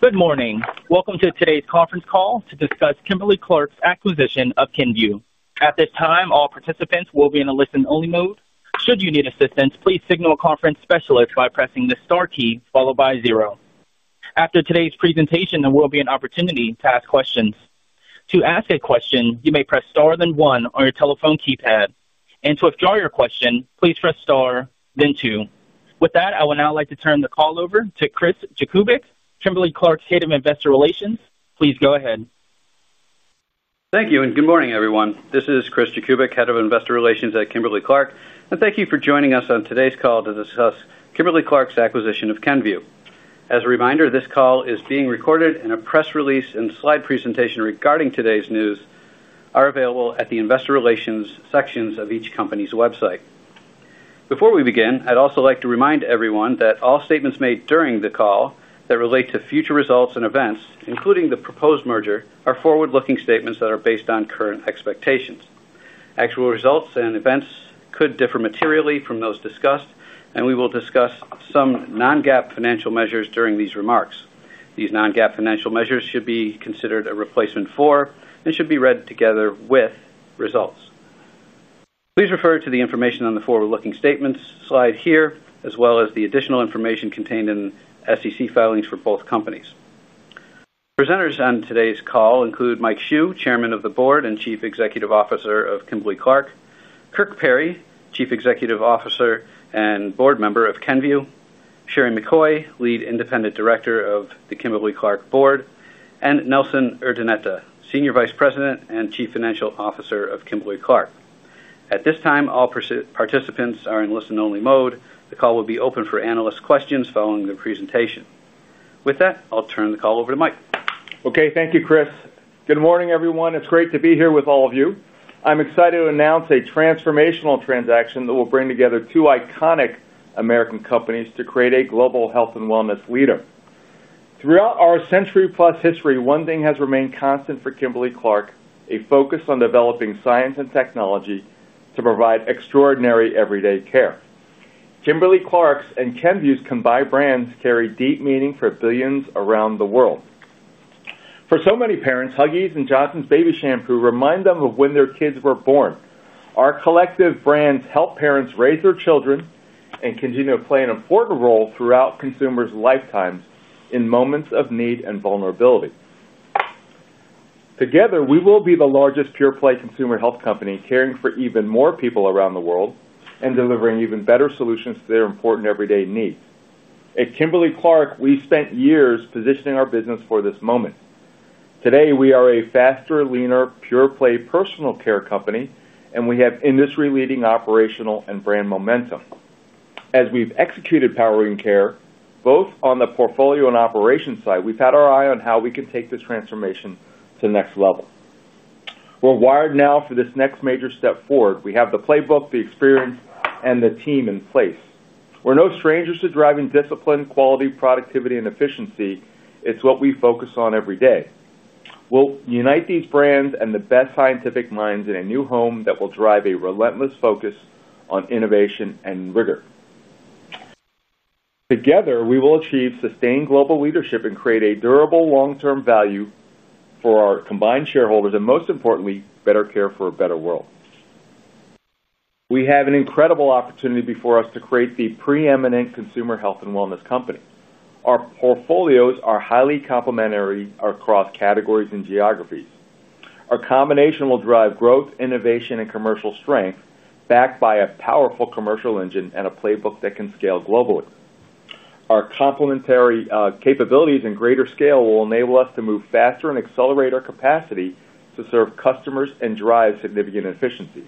Good morning. Welcome to today's conference call to discuss Kimberly-Clark acquisition by Kenvue's. At this time, all participants will be in a listen-only mode. Should you need assistance, please signal a conference specialist by pressing the star key followed by zero. After today's presentation, there will be an opportunity to ask questions. To ask a question, you may press star then one on your telephone keypad. To withdraw your question, please press star then two. With that, I would now like to turn the call over to Chris Jakubic, Kimberly-Clark's Head of Investor Relations. Please go ahead. Thank you and good morning, everyone. This is Chris Jakubic, Head of Investor Relations at Kimberly-Clark. Thank you for joining us on today's call to discuss Kimberly-Clark's acquisition of Kenvue. As a reminder, this call is being recorded, and a press release and slide presentation regarding today's news are available at the Investor Relations sections of each company's website. Before we begin, I'd also like to remind everyone that all statements made during the call that relate to future results and events, including the proposed merger, are forward-looking statements that are based on current expectations. Actual results and events could differ materially from those discussed, and we will discuss some non-GAAP financial measures during these remarks. These non-GAAP financial measures should not be considered a replacement for and should be read together with results. Please refer to the information on the forward-looking statements slide here, as well as the additional information contained in SEC filings for both companies. Presenters on today's call include Mike Hsu, Chairman of the Board and Chief Executive Officer of Kimberly-Clark, Kirk Perry, Chief Executive Officer and Board Member of Kenvue; Sherry McCoy, Lead Independent Director of the Kimberly-Clark Board, and Nelson Urdaneta, Senior Vice President and Chief Financial Officer of Kimberly-Clark. At this time, all participants are in listen-only mode. The call will be open for analyst questions following the presentation. With that, I'll turn the call over to Mike. Okay. Thank you, Chris. Good morning, everyone. It's great to be here with all of you. I'm excited to announce a transformational transaction that will bring together two iconic American companies to create a global health and wellness leader. Throughout our century-plus history, one thing has remained constant for Kimberly-Clark, a focus on developing science and technology to provide extraordinary everyday care. Kimberly-Clark's and Kenvue's combined brands carry deep meaning for billions around the world. For so many parents, Huggies and Johnson's Baby Shampoo remind them of when their kids were born. Our collective brands help parents raise their children and continue to play an important role throughout consumers' lifetimes in moments of need and vulnerability. Together, we will be the largest pure-play consumer health company caring for even more people around the world and delivering even better solutions to their important everyday needs. At Kimberly-Clark, we spent years positioning our business for this moment. Today, we are a faster, leaner, pure-play personal care company, and we have industry-leading operational and brand momentum. As we've executed power and care, both on the portfolio and operations side, we've had our eye on how we can take this transformation to the next level. We're wired now for this next major step forward. We have the playbook, the experience, and the team in place. We're no strangers to driving discipline, quality, productivity, and efficiency. It's what we focus on every day. We'll unite these brands and the best scientific minds in a new home that will drive a relentless focus on innovation and rigor. Together, we will achieve sustained global leadership and create a durable long-term value for our combined shareholders and, most importantly, better care for a better world. We have an incredible opportunity before us to create the preeminent consumer health and wellness company. Our portfolios are highly complementary across categories and geographies. Our combination will drive growth, innovation, and commercial strength backed by a powerful commercial engine and a playbook that can scale globally. Our complementary capabilities and greater scale will enable us to move faster and accelerate our capacity to serve customers and drive significant efficiency.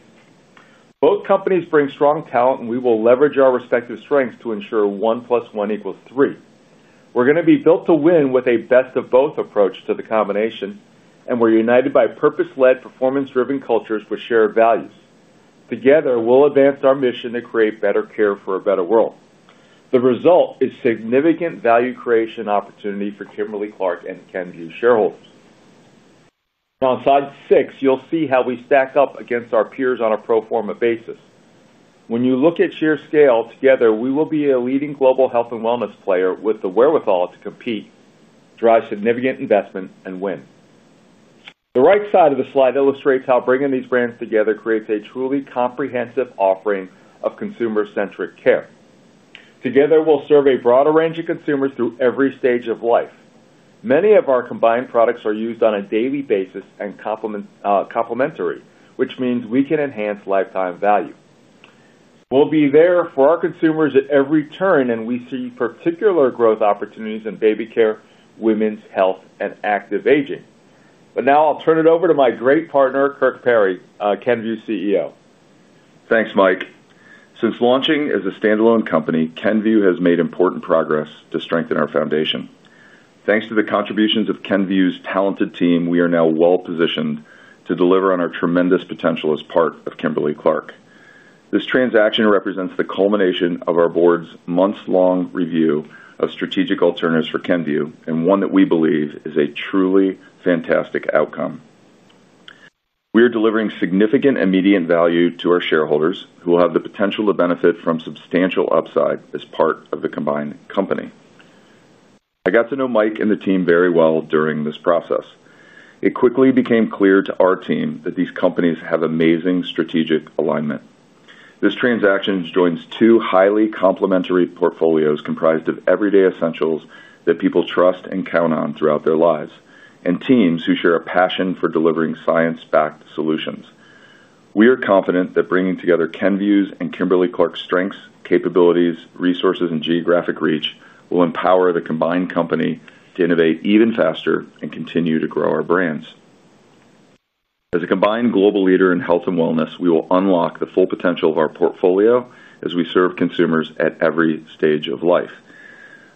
Both companies bring strong talent, and we will leverage our respective strengths to ensure one plus one equals three. We're going to be built to win with a best of both approach to the combination, and we're united by purpose-led, performance-driven cultures with shared values. Together, we'll advance our mission to create better care for a better world. The result is significant value creation opportunity for Kimberly-Clark and Kenvue shareholders. Now, on slide six, you'll see how we stack up against our peers on a pro forma basis. When you look at sheer scale, together, we will be a leading global health and wellness player with the wherewithal to compete, drive significant investment, and win. The right side of the slide illustrates how bringing these brands together creates a truly comprehensive offering of consumer-centric care. Together, we'll serve a broader range of consumers through every stage of life. Many of our combined products are used on a daily basis and complementary, which means we can enhance lifetime value. We'll be there for our consumers at every turn, and we see particular growth opportunities in baby care, women's health, and active aging. Now, I'll turn it over to my great partner, Kirk Perry, Kenvue CEO. Thanks, Mike. Since launching as a standalone company, Kenvue has made important progress to strengthen our foundation. Thanks to the contributions of Kenvue's talented team, we are now well-positioned to deliver on our tremendous potential as part of Kimberly-Clark. This transaction represents the culmination of our board's months-long review of strategic alternatives for Kenvue and one that we believe is a truly fantastic outcome. We are delivering significant immediate value to our shareholders who will have the potential to benefit from substantial upside as part of the combined company. I got to know Mike and the team very well during this process. It quickly became clear to our team that these companies have amazing strategic alignment. This transaction joins two highly complementary portfolios comprised of everyday essentials that people trust and count on throughout their lives and teams who share a passion for delivering science-backed solutions. We are confident that bringing together Kenvue's and Kimberly-Clark's strengths, capabilities, resources, and geographic reach will empower the combined company to innovate even faster and continue to grow our brands. As a combined global leader in health and wellness, we will unlock the full potential of our portfolio as we serve consumers at every stage of life.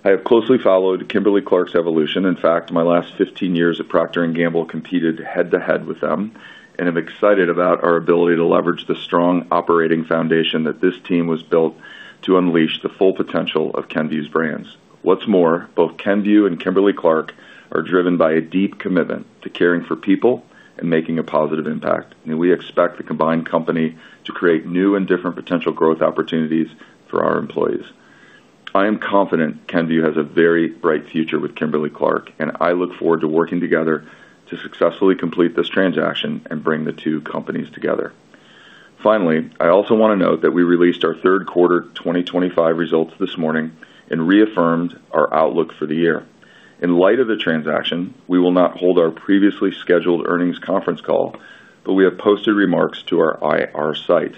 I have closely followed Kimberly-Clark's evolution. In fact, my last 15 years at Procter & Gamble competed head-to-head with them, and I'm excited about our ability to leverage the strong operating foundation that this team was built to unleash the full potential of Kenvue's brands. What's more, both Kenvue and Kimberly-Clark are driven by a deep commitment to caring for people and making a positive impact. We expect the combined company to create new and different potential growth opportunities for our employees. I am confident Kenvue has a very bright future with Kimberly-Clark, and I look forward to working together to successfully complete this transaction and bring the two companies together. Finally, I also want to note that we released our third-quarter 2025 results this morning and reaffirmed our outlook for the year. In light of the transaction, we will not hold our previously scheduled earnings conference call, but we have posted remarks to our IR site.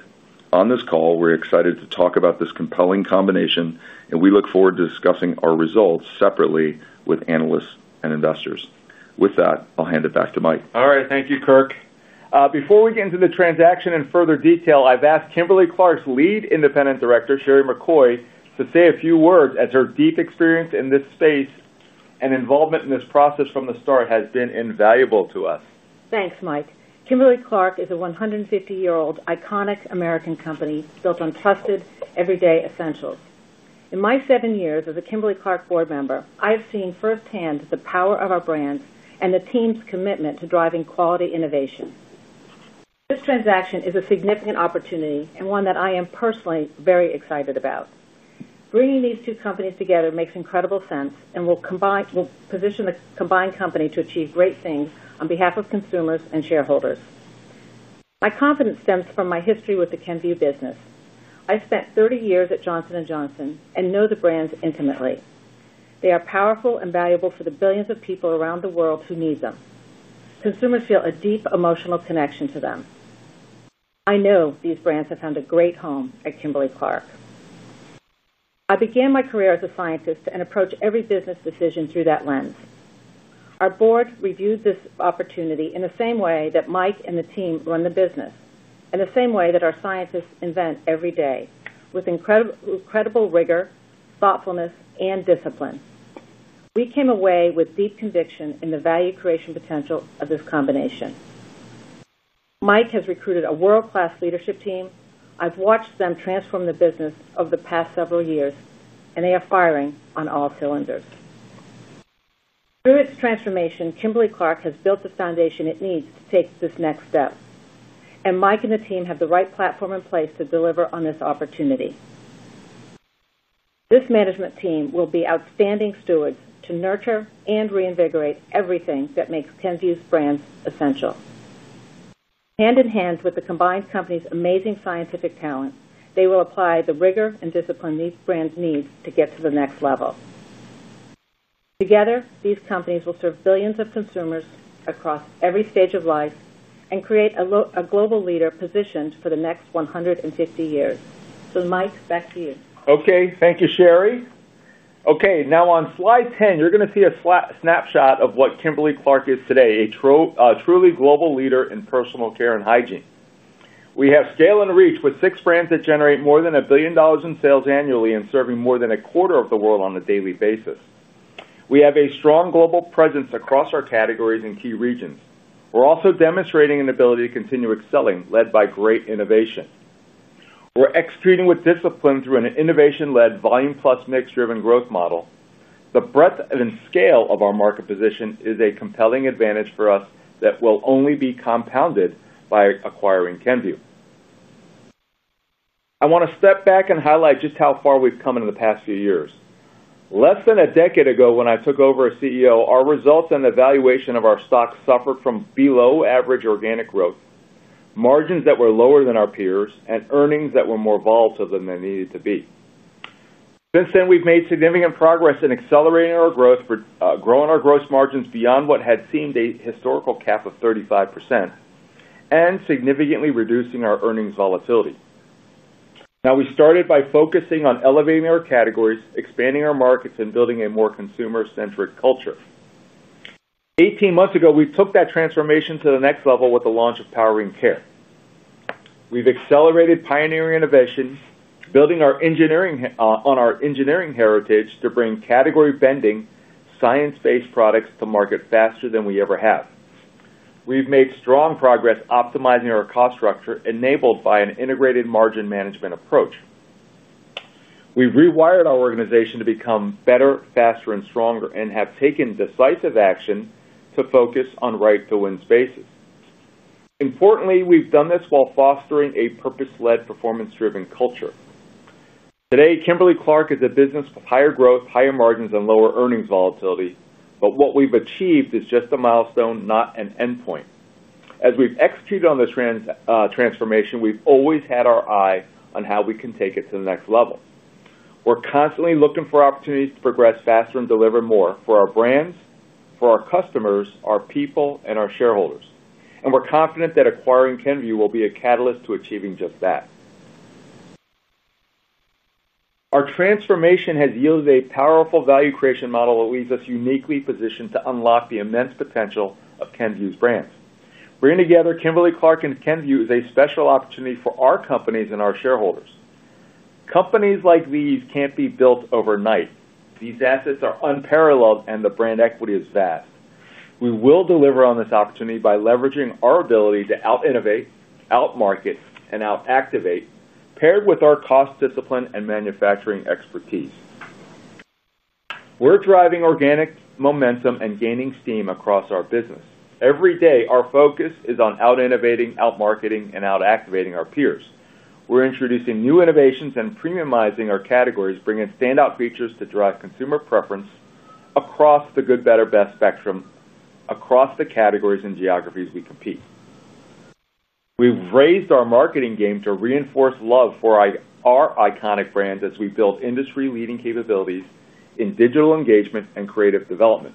On this call, we're excited to talk about this compelling combination, and we look forward to discussing our results separately with analysts and investors. With that, I'll hand it back to Mike. All right. Thank you, Kirk. Before we get into the transaction in further detail, I've asked Kimberly-Clark's Lead Independent Director, Sherilyn McCoy, to say a few words as her deep experience in this space and involvement in this process from the start has been invaluable to us. Thanks, Mike. Kimberly-Clark is a 150-year-old iconic American company built on trusted everyday essentials. In my seven years as a Kimberly-Clark board member, I have seen firsthand the power of our brands and the team's commitment to driving quality innovation. This transaction is a significant opportunity and one that I am personally very excited about. Bringing these two companies together makes incredible sense and will position the combined company to achieve great things on behalf of consumers and shareholders. My confidence stems from my history with the Kenvue business. I spent 30 years at Johnson & Johnson and know the brands intimately. They are powerful and valuable for the billions of people around the world who need them. Consumers feel a deep emotional connection to them. I know these brands have found a great home at Kimberly-Clark. I began my career as a scientist and approach every business decision through that lens. Our board reviewed this opportunity in the same way that Mike and the team run the business, in the same way that our scientists invent every day with incredible rigor, thoughtfulness, and discipline. We came away with deep conviction in the value creation potential of this combination. Mike has recruited a world-class leadership team. I've watched them transform the business over the past several years, and they are firing on all cylinders. Through its transformation, Kimberly-Clark has built the foundation it needs to take this next step, and Mike and the team have the right platform in place to deliver on this opportunity. This management team will be outstanding stewards to nurture and reinvigorate everything that makes Kenvue's brands essential. Hand in hand with the combined company's amazing scientific talent, they will apply the rigor and discipline these brands need to get to the next level. Together, these companies will serve billions of consumers across every stage of life and create a global leader positioned for the next 150 years. Mike, back to you. Okay. Thank you, Sherry. Okay. Now, on slide 10, you're going to see a snapshot of what Kimberly-Clark is today: a truly global leader in personal care and hygiene. We have scale and reach with six brands that generate more than $1 billion in sales annually and serving more than a quarter of the world on a daily basis. We have a strong global presence across our categories and key regions. We're also demonstrating an ability to continue excelling led by great innovation. We're executing with discipline through an innovation-led, volume-plus mix-driven growth model. The breadth and scale of our market position is a compelling advantage for us that will only be compounded by acquiring Kenvue. I want to step back and highlight just how far we've come in the past few years. Less than a decade ago, when I took over as CEO, our results and evaluation of our stock suffered from below-average organic growth, margins that were lower than our peers, and earnings that were more volatile than they needed to be. Since then, we've made significant progress in accelerating our growth, growing our gross margins beyond what had seemed a historical cap of 35%. And significantly reducing our earnings volatility. Now, we started by focusing on elevating our categories, expanding our markets, and building a more consumer-centric culture. Eighteen months ago, we took that transformation to the next level with the launch of power and care. We've accelerated pioneering innovation, building on our engineering heritage to bring category-bending, science-based products to market faster than we ever have. We've made strong progress optimizing our cost structure enabled by an integrated margin management approach. We've rewired our organization to become better, faster, and stronger and have taken decisive action to focus on right-to-win spaces. Importantly, we've done this while fostering a purpose-led, performance-driven culture. Today, Kimberly-Clark is a business with higher growth, higher margins, and lower earnings volatility, but what we've achieved is just a milestone, not an endpoint. As we've executed on this transformation, we've always had our eye on how we can take it to the next level. We're constantly looking for opportunities to progress faster and deliver more for our brands, for our customers, our people, and our shareholders. We're confident that acquiring Kenvue will be a catalyst to achieving just that. Our transformation has yielded a powerful value creation model that leaves us uniquely positioned to unlock the immense potential of Kenvue's brands. Bringing together Kimberly-Clark and Kenvue is a special opportunity for our companies and our shareholders. Companies like these can't be built overnight. These assets are unparalleled, and the brand equity is vast. We will deliver on this opportunity by leveraging our ability to out-innovate, out-market, and out-activate, paired with our cost discipline and manufacturing expertise. We're driving organic momentum and gaining steam across our business. Every day, our focus is on out-innovating, out-marketing, and out-activating our peers. We're introducing new innovations and premiumizing our categories, bringing standout features to drive consumer preference across the good, better, best spectrum, across the categories and geographies we compete. We've raised our marketing game to reinforce love for our iconic brands as we build industry-leading capabilities in digital engagement and creative development.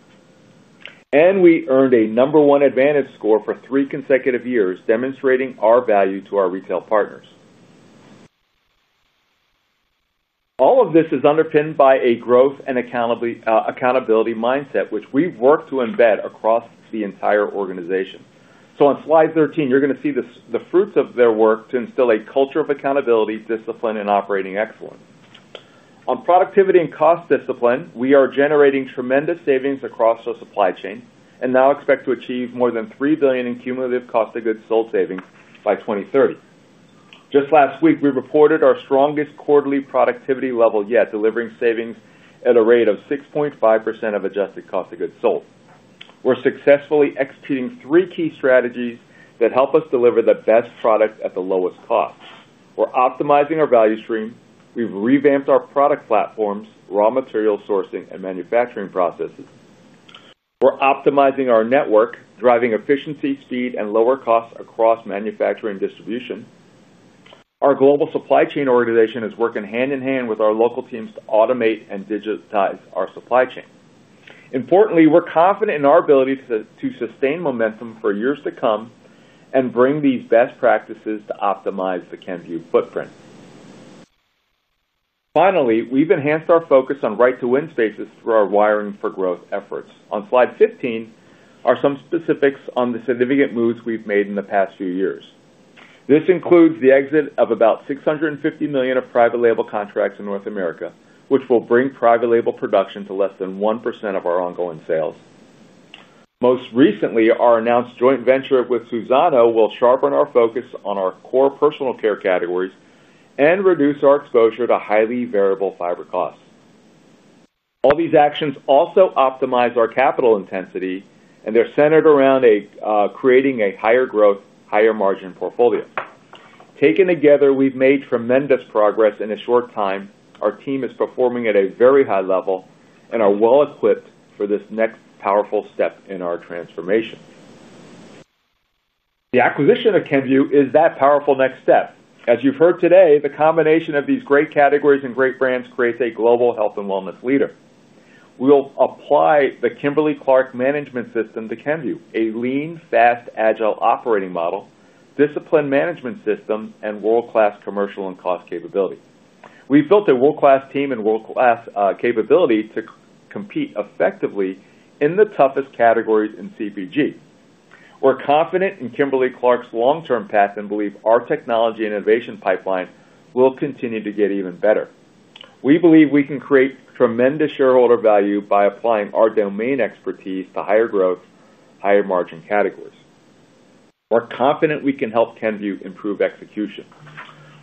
We earned a number one advantage score for three consecutive years, demonstrating our value to our retail partners. All of this is underpinned by a growth and accountability mindset, which we've worked to embed across the entire organization. On slide 13, you're going to see the fruits of their work to instill a culture of accountability, discipline, and operating excellence. On productivity and cost discipline, we are generating tremendous savings across our supply chain and now expect to achieve more than $3 billion in cumulative cost of goods sold savings by 2030. Just last week, we reported our strongest quarterly productivity level yet, delivering savings at a rate of 6.5% of adjusted cost of goods sold. We're successfully executing three key strategies that help us deliver the best product at the lowest cost. We're optimizing our value stream. We've revamped our product platforms, raw material sourcing, and manufacturing processes. We're optimizing our network, driving efficiency, speed, and lower costs across manufacturing and distribution. Our global supply chain organization is working hand in hand with our local teams to automate and digitize our supply chain. Importantly, we're confident in our ability to sustain momentum for years to come and bring these best practices to optimize the Kenvue footprint. We've enhanced our focus on right-to-win spaces through our wiring for growth efforts. On slide 15 are some specifics on the significant moves we've made in the past few years. This includes the exit of about $650 million of private label contracts in North America, which will bring private label production to less than 1% of our ongoing sales. Most recently, our announced joint venture with Suzano. will sharpen our focus on our core personal care categories and reduce our exposure to highly variable fiber costs. All these actions also optimize our capital intensity, and they're centered around creating a higher growth, higher margin portfolio. Taken together, we've made tremendous progress in a short time. Our team is performing at a very high level and are well equipped for this next powerful step in our transformation. The acquisition of Kenvue is that powerful next step. As you've heard today, the combination of these great categories and great brands creates a global health and wellness leader. We'll apply the Kimberly-Clark management system to Kenvue, a lean, fast, agile operating model, discipline management system, and world-class commercial and cost capability. We've built a world-class team and world-class capability to compete effectively in the toughest categories in CPG. We're confident in Kimberly-Clark's long-term path and believe our technology and innovation pipeline will continue to get even better. We believe we can create tremendous shareholder value by applying our domain expertise to higher growth, higher margin categories. We're confident we can help Kenvue improve execution.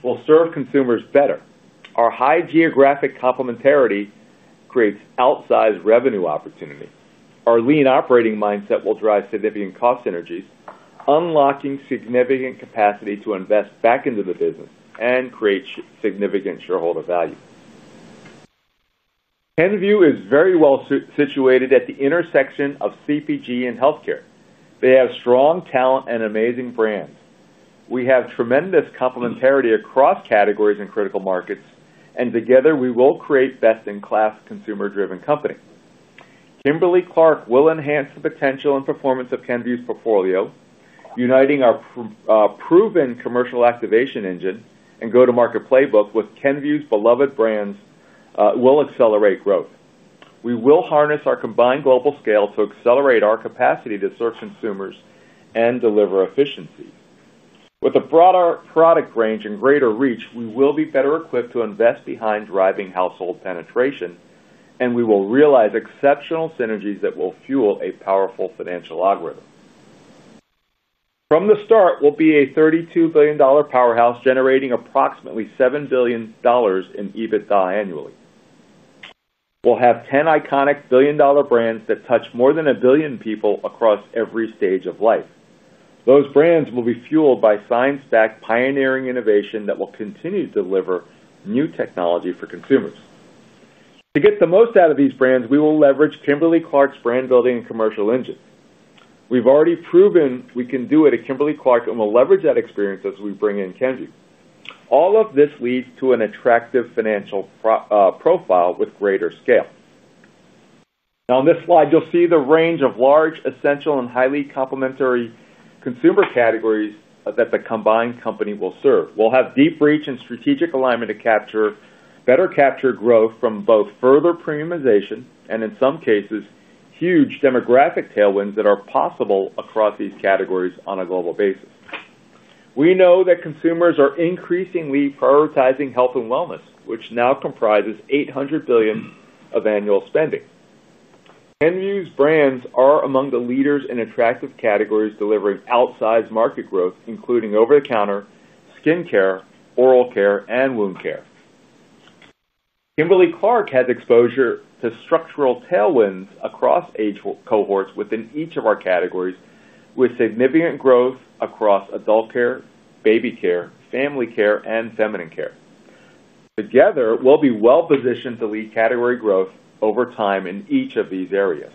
We'll serve consumers better. Our high geographic complementarity creates outsized revenue opportunity. Our lean operating mindset will drive significant cost synergies, unlocking significant capacity to invest back into the business and create significant shareholder value. Kenvue is very well situated at the intersection of CPG and healthcare. They have strong talent and amazing brands. We have tremendous complementarity across categories and critical markets, and together, we will create best-in-class consumer-driven companies. Kimberly-Clark will enhance the potential and performance of Kenvue's portfolio. Uniting our proven commercial activation engine and go-to-market playbook with Kenvue's beloved brands will accelerate growth. We will harness our combined global scale to accelerate our capacity to serve consumers and deliver efficiency. With a broader product range and greater reach, we will be better equipped to invest behind driving household penetration, and we will realize exceptional synergies that will fuel a powerful financial algorithm. From the start, we'll be a $32 billion powerhouse generating approximately $7 billion in EBITDA annually. We'll have 10 iconic billion-dollar brands that touch more than a billion people across every stage of life. Those brands will be fueled by science-backed pioneering innovation that will continue to deliver new technology for consumers. To get the most out of these brands, we will leverage Kimberly-Clark's brand-building and commercial engine. We've already proven we can do it at Kimberly-Clark, and we'll leverage that experience as we bring in Kenvue. All of this leads to an attractive financial profile with greater scale. Now, on this slide, you'll see the range of large, essential, and highly complementary consumer categories that the combined company will serve. We'll have deep reach and strategic alignment to better capture growth from both further premiumization and, in some cases, huge demographic tailwinds that are possible across these categories on a global basis. We know that consumers are increasingly prioritizing health and wellness, which now comprises $800 billion of annual spending. Kenvue's brands are among the leaders in attractive categories delivering outsized market growth, including over-the-counter, skin care, oral care, and wound care. Kimberly-Clark has exposure to structural tailwinds across age cohorts within each of our categories, with significant growth across adult care, baby care, family care, and feminine care. Together, we'll be well positioned to lead category growth over time in each of these areas.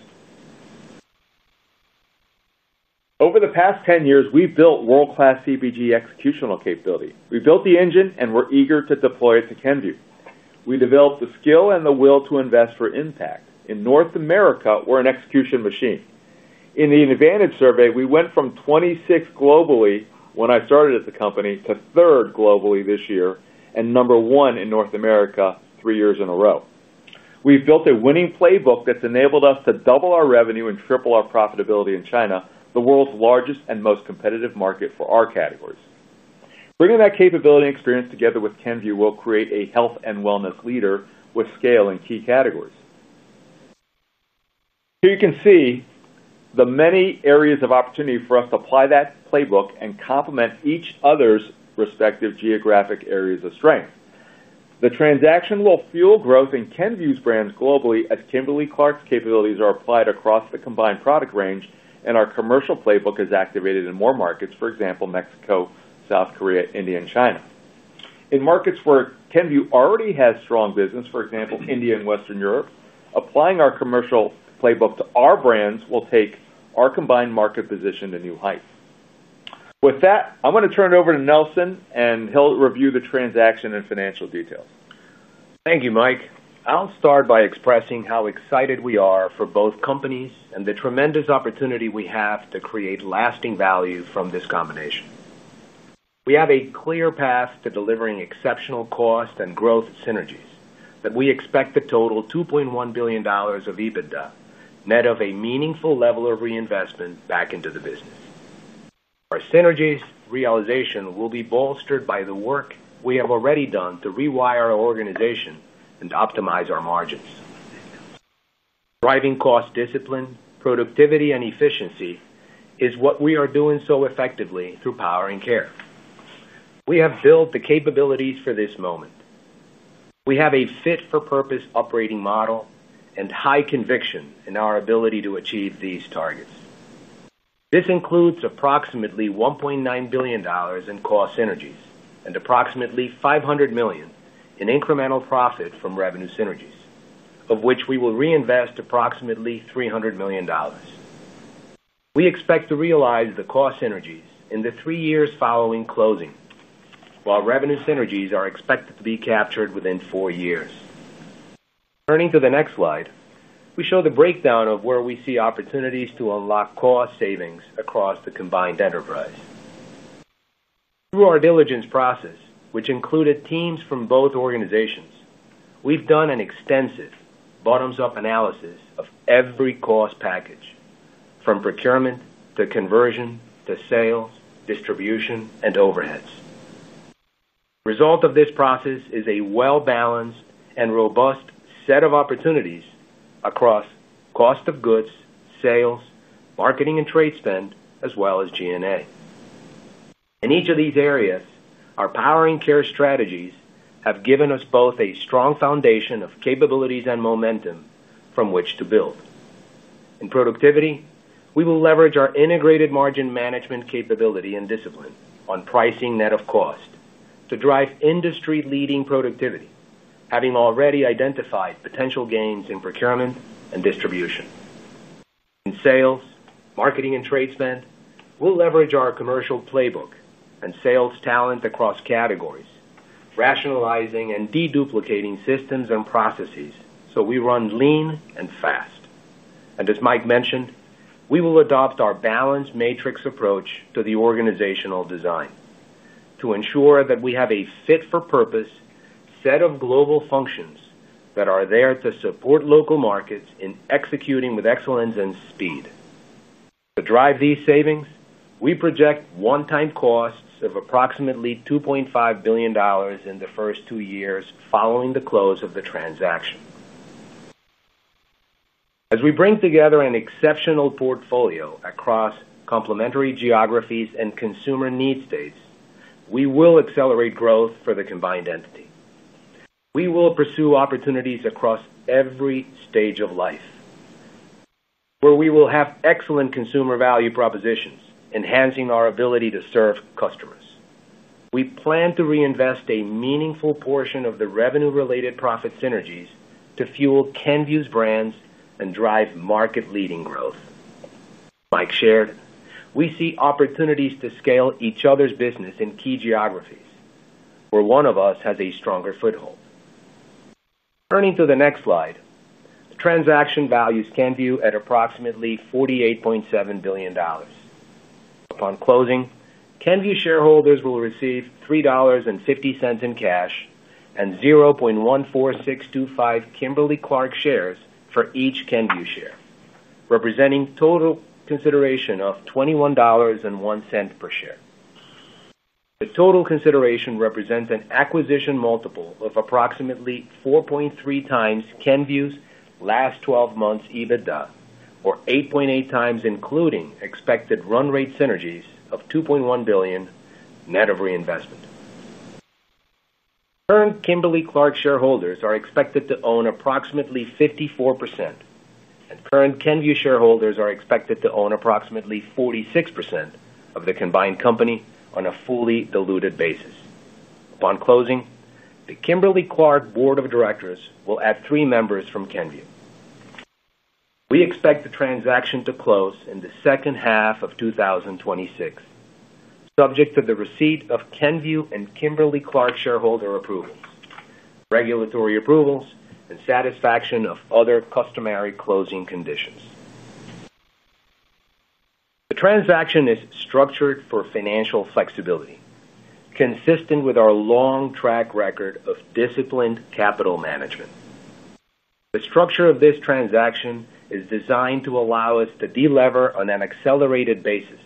Over the past 10 years, we've built world-class CPG executional capability. We built the engine, and we're eager to deploy it to Kenvue. We developed the skill and the will to invest for impact. In North America, we're an execution machine. In the advantage survey, we went from 26 globally when I started at the company to third globally this year and number one in North America three years in a row. We've built a winning playbook that's enabled us to double our revenue and triple our profitability in China, the world's largest and most competitive market for our categories. Bringing that capability and experience together with Kenvue will create a health and wellness leader with scale in key categories. Here you can see the many areas of opportunity for us to apply that playbook and complement each other's respective geographic areas of strength. The transaction will fuel growth in Kenvue's brands globally as Kimberly-Clark's capabilities are applied across the combined product range, and our commercial playbook is activated in more markets, for example, Mexico, South Korea, India, and China. In markets where Kenvue already has strong business, for example, India and Western Europe, applying our commercial playbook to our brands will take our combined market position to new heights. With that, I'm going to turn it over to Nelson, and he'll review the transaction and financial details. Thank you, Mike. I'll start by expressing how excited we are for both companies and the tremendous opportunity we have to create lasting value from this combination. We have a clear path to delivering exceptional cost and growth synergies that we expect to total $2.1 billion of EBITDA, net of a meaningful level of reinvestment back into the business. Our synergies realization will be bolstered by the work we have already done to rewire our organization and optimize our margins. Driving cost discipline, productivity, and efficiency is what we are doing so effectively through power and care. We have built the capabilities for this moment. We have a fit-for-purpose operating model and high conviction in our ability to achieve these targets. This includes approximately $1.9 billion in cost synergies and approximately $500 million in incremental profit from revenue synergies, of which we will reinvest approximately $300 million. We expect to realize the cost synergies in the three years following closing, while revenue synergies are expected to be captured within four years. Turning to the next slide, we show the breakdown of where we see opportunities to unlock cost savings across the combined enterprise. Through our diligence process, which included teams from both organizations, we've done an extensive bottoms-up analysis of every cost package, from procurement to conversion to sales, distribution, and overheads. The result of this process is a well-balanced and robust set of opportunities across cost of goods, sales, marketing, and trade spend, as well as G&A. In each of these areas, our power and care strategies have given us both a strong foundation of capabilities and momentum from which to build. In productivity, we will leverage our integrated margin management capability and discipline on pricing net of cost to drive industry-leading productivity, having already identified potential gains in procurement and distribution. In sales, marketing, and trade spend, we'll leverage our commercial playbook and sales talent across categories, rationalizing and deduplicating systems and processes so we run lean and fast. As Mike mentioned, we will adopt our balanced matrix approach to the organizational design. To ensure that we have a fit-for-purpose set of global functions that are there to support local markets in executing with excellence and speed. To drive these savings, we project one-time costs of approximately $2.5 billion in the first two years following the close of the transaction. As we bring together an exceptional portfolio across complementary geographies and consumer needs states, we will accelerate growth for the combined entity. We will pursue opportunities across every stage of life, where we will have excellent consumer value propositions, enhancing our ability to serve customers. We plan to reinvest a meaningful portion of the revenue-related profit synergies to fuel Kenvue's brands and drive market-leading growth. Like shared, we see opportunities to scale each other's business in key geographies, where one of us has a stronger foothold. Turning to the next slide, the transaction values Kenvue at approximately $48.7 billion. Upon closing, Kenvue shareholders will receive $3.50 in cash and 0.14625 Kimberly-Clark shares for each Kenvue share, representing total consideration of $21.01 per share. The total consideration represents an acquisition multiple of approximately 4.3x Kenvue's last 12 months EBITDA, or 8.8 times including expected run rate synergies of $2.1 billion net of reinvestment. Current Kimberly-Clark shareholders are expected to own approximately 54%, and current Kenvue shareholders are expected to own approximately 46% of the combined company on a fully diluted basis. Upon closing, the Kimberly-Clark Board of Directors will add three members from Kenvue. We expect the transaction to close in the second half of 2026, subject to the receipt of Kenvue and Kimberly-Clark shareholder approvals, regulatory approvals, and satisfaction of other customary closing conditions. The transaction is structured for financial flexibility, consistent with our long track record of disciplined capital management. The structure of this transaction is designed to allow us to delever on an accelerated basis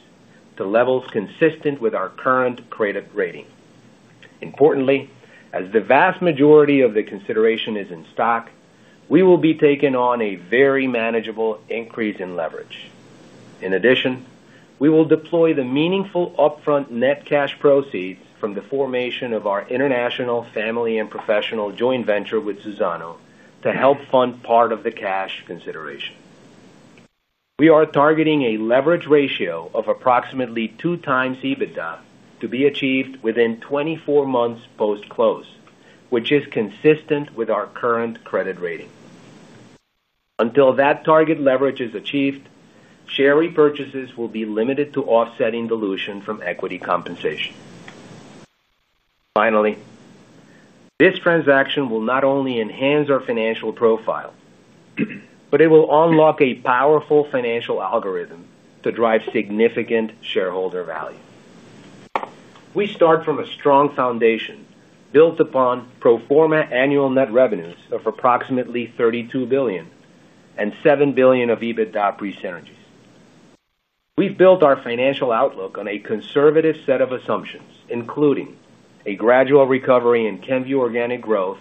to levels consistent with our current credit rating. Importantly, as the vast majority of the consideration is in stock, we will be taking on a very manageable increase in leverage. In addition, we will deploy the meaningful upfront net cash proceeds from the formation of our international family and professional joint venture with Suzano to help fund part of the cash consideration. We are targeting a leverage ratio of approximately 2x EBITDA to be achieved within 24 months post-close, which is consistent with our current credit rating. Until that target leverage is achieved, share repurchases will be limited to offsetting dilution from equity compensation. Finally, this transaction will not only enhance our financial profile, but it will unlock a powerful financial algorithm to drive significant shareholder value. We start from a strong foundation built upon pro forma annual net revenues of approximately $32 billion and $7 billion of EBITDA pre-synergies. We've built our financial outlook on a conservative set of assumptions, including a gradual recovery in Kenvue organic growth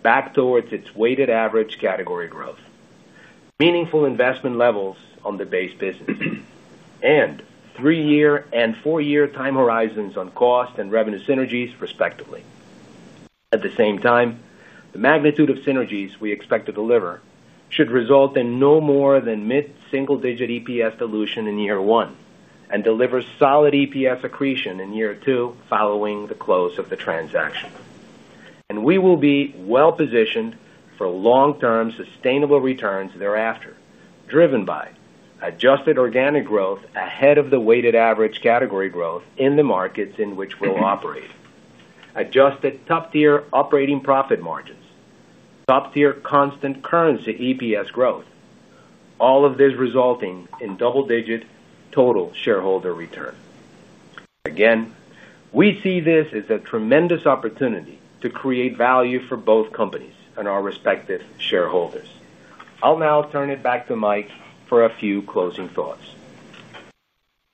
back towards its weighted average category growth. Meaningful investment levels on the base business. And three-year and four-year time horizons on cost and revenue synergies, respectively. At the same time, the magnitude of synergies we expect to deliver should result in no more than mid-single-digit EPS dilution in year one and deliver solid EPS accretion in year two following the close of the transaction. And we will be well positioned for long-term sustainable returns thereafter, driven by adjusted organic growth ahead of the weighted average category growth in the markets in which we'll operate, adjusted top-tier operating profit margins, top-tier constant currency EPS growth, all of this resulting in double-digit total shareholder return. Again, we see this as a tremendous opportunity to create value for both companies and our respective shareholders. I'll now turn it back to Mike for a few closing thoughts.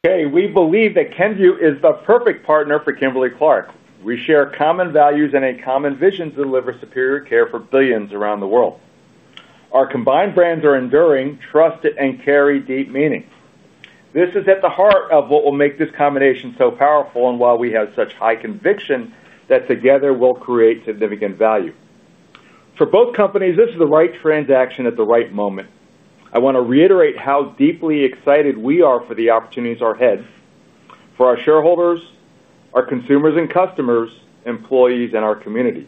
Okay. We believe that Kenvue is the perfect partner for Kimberly-Clark. We share common values and a common vision to deliver superior care for billions around the world. Our combined brands are enduring, trusted, and carry deep meaning. This is at the heart of what will make this combination so powerful and why we have such high conviction that together we'll create significant value. For both companies, this is the right transaction at the right moment. I want to reiterate how deeply excited we are for the opportunities ahead for our shareholders, our consumers and customers, employees, and our communities.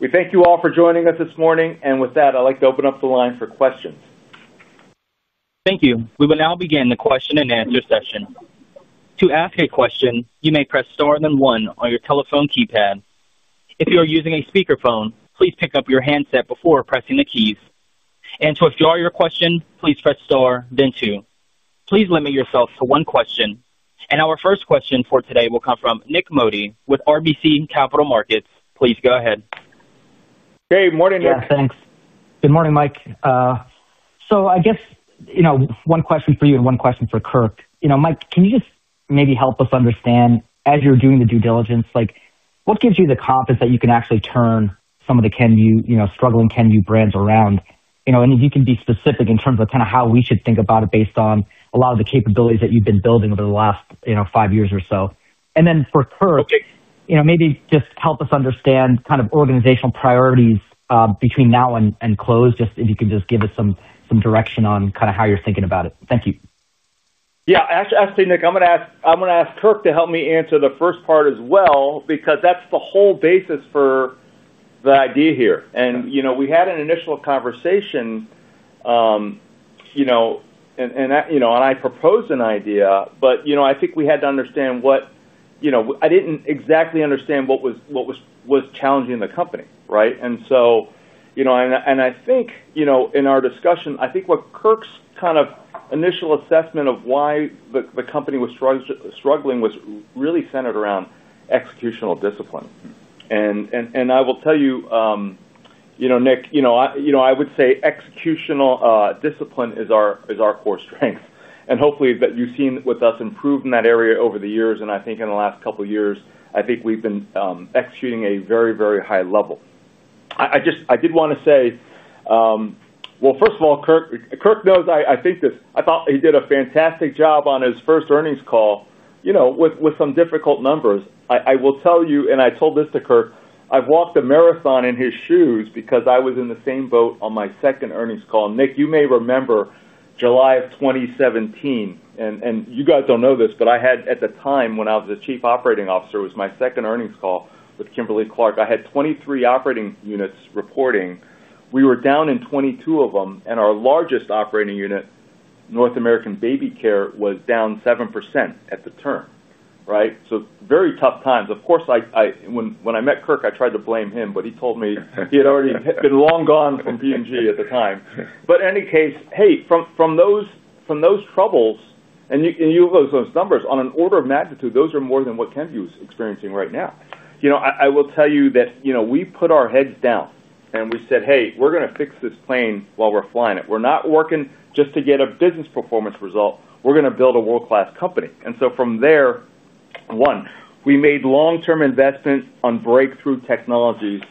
We thank you all for joining us this morning. And with that, I'd like to open up the line for questions. Thank you. We will now begin the question and answer session. To ask a question, you may press star and then one on your telephone keypad. If you are using a speakerphone, please pick up your handset before pressing the keys. And to withdraw your question, please press star, then two. Please limit yourself to one question. And our first question for today will come from Nick Modi with RBC Capital Markets. Please go ahead. Hey. Morning, Nick. Yeah. Thanks. Good morning, Mike. So I guess one question for you and one question for Kirk. Mike, can you just maybe help us understand, as you're doing the due diligence, what gives you the confidence that you can actually turn some of the struggling Kenvue brands around? And if you can be specific in terms of kind of how we should think about it based on a lot of the capabilities that you've been building over the last five years or so. And then for Kirk. Maybe just help us understand kind of organizational priorities between now and close, just if you can just give us some direction on kind of how you're thinking about it. Thank you. Yeah. Actually, Nick, I'm going to ask Kirk to help me answer the first part as well because that's the whole basis for. The idea here. And we had an initial conversation. I proposed an idea, but I think we had to understand what I did not exactly understand what was challenging the company, right? I think in our discussion, I think what Kirk's kind of initial assessment of why the company was struggling was really centered around executional discipline. I will tell you, Nick, I would say executional discipline is our core strength. Hopefully, that you have seen with us improve in that area over the years. I think in the last couple of years, I think we have been executing at a very, very high level. I did want to say, first of all, Kirk, Kirk knows I think this. I thought he did a fantastic job on his first earnings call with some difficult numbers. I will tell you, and I told this to Kirk, I have walked a marathon in his shoes because I was in the same boat on my second earnings call. Nick, you may remember July of 2017. You guys do not know this, but I had, at the time when I was the Chief Operating Officer, it was my second earnings call with Kimberly-Clark. I had 23 operating units reporting. We were down in 22 of them. Our largest operating unit, North American Baby Care, was down 7% at the turn, right? Very tough times. Of course, when I met Kirk, I tried to blame him, but he told me he had already been long gone from P&G at the time. In any case, from those troubles, and you have those numbers, on an order of magnitude, those are more than what Kenvue is experiencing right now. I will tell you that we put our heads down and we said, "Hey, we are going to fix this plane while we are flying it. We are not working just to get a business performance result. We are going to build a world-class company." From there, one, we made long-term investment on breakthrough technologies,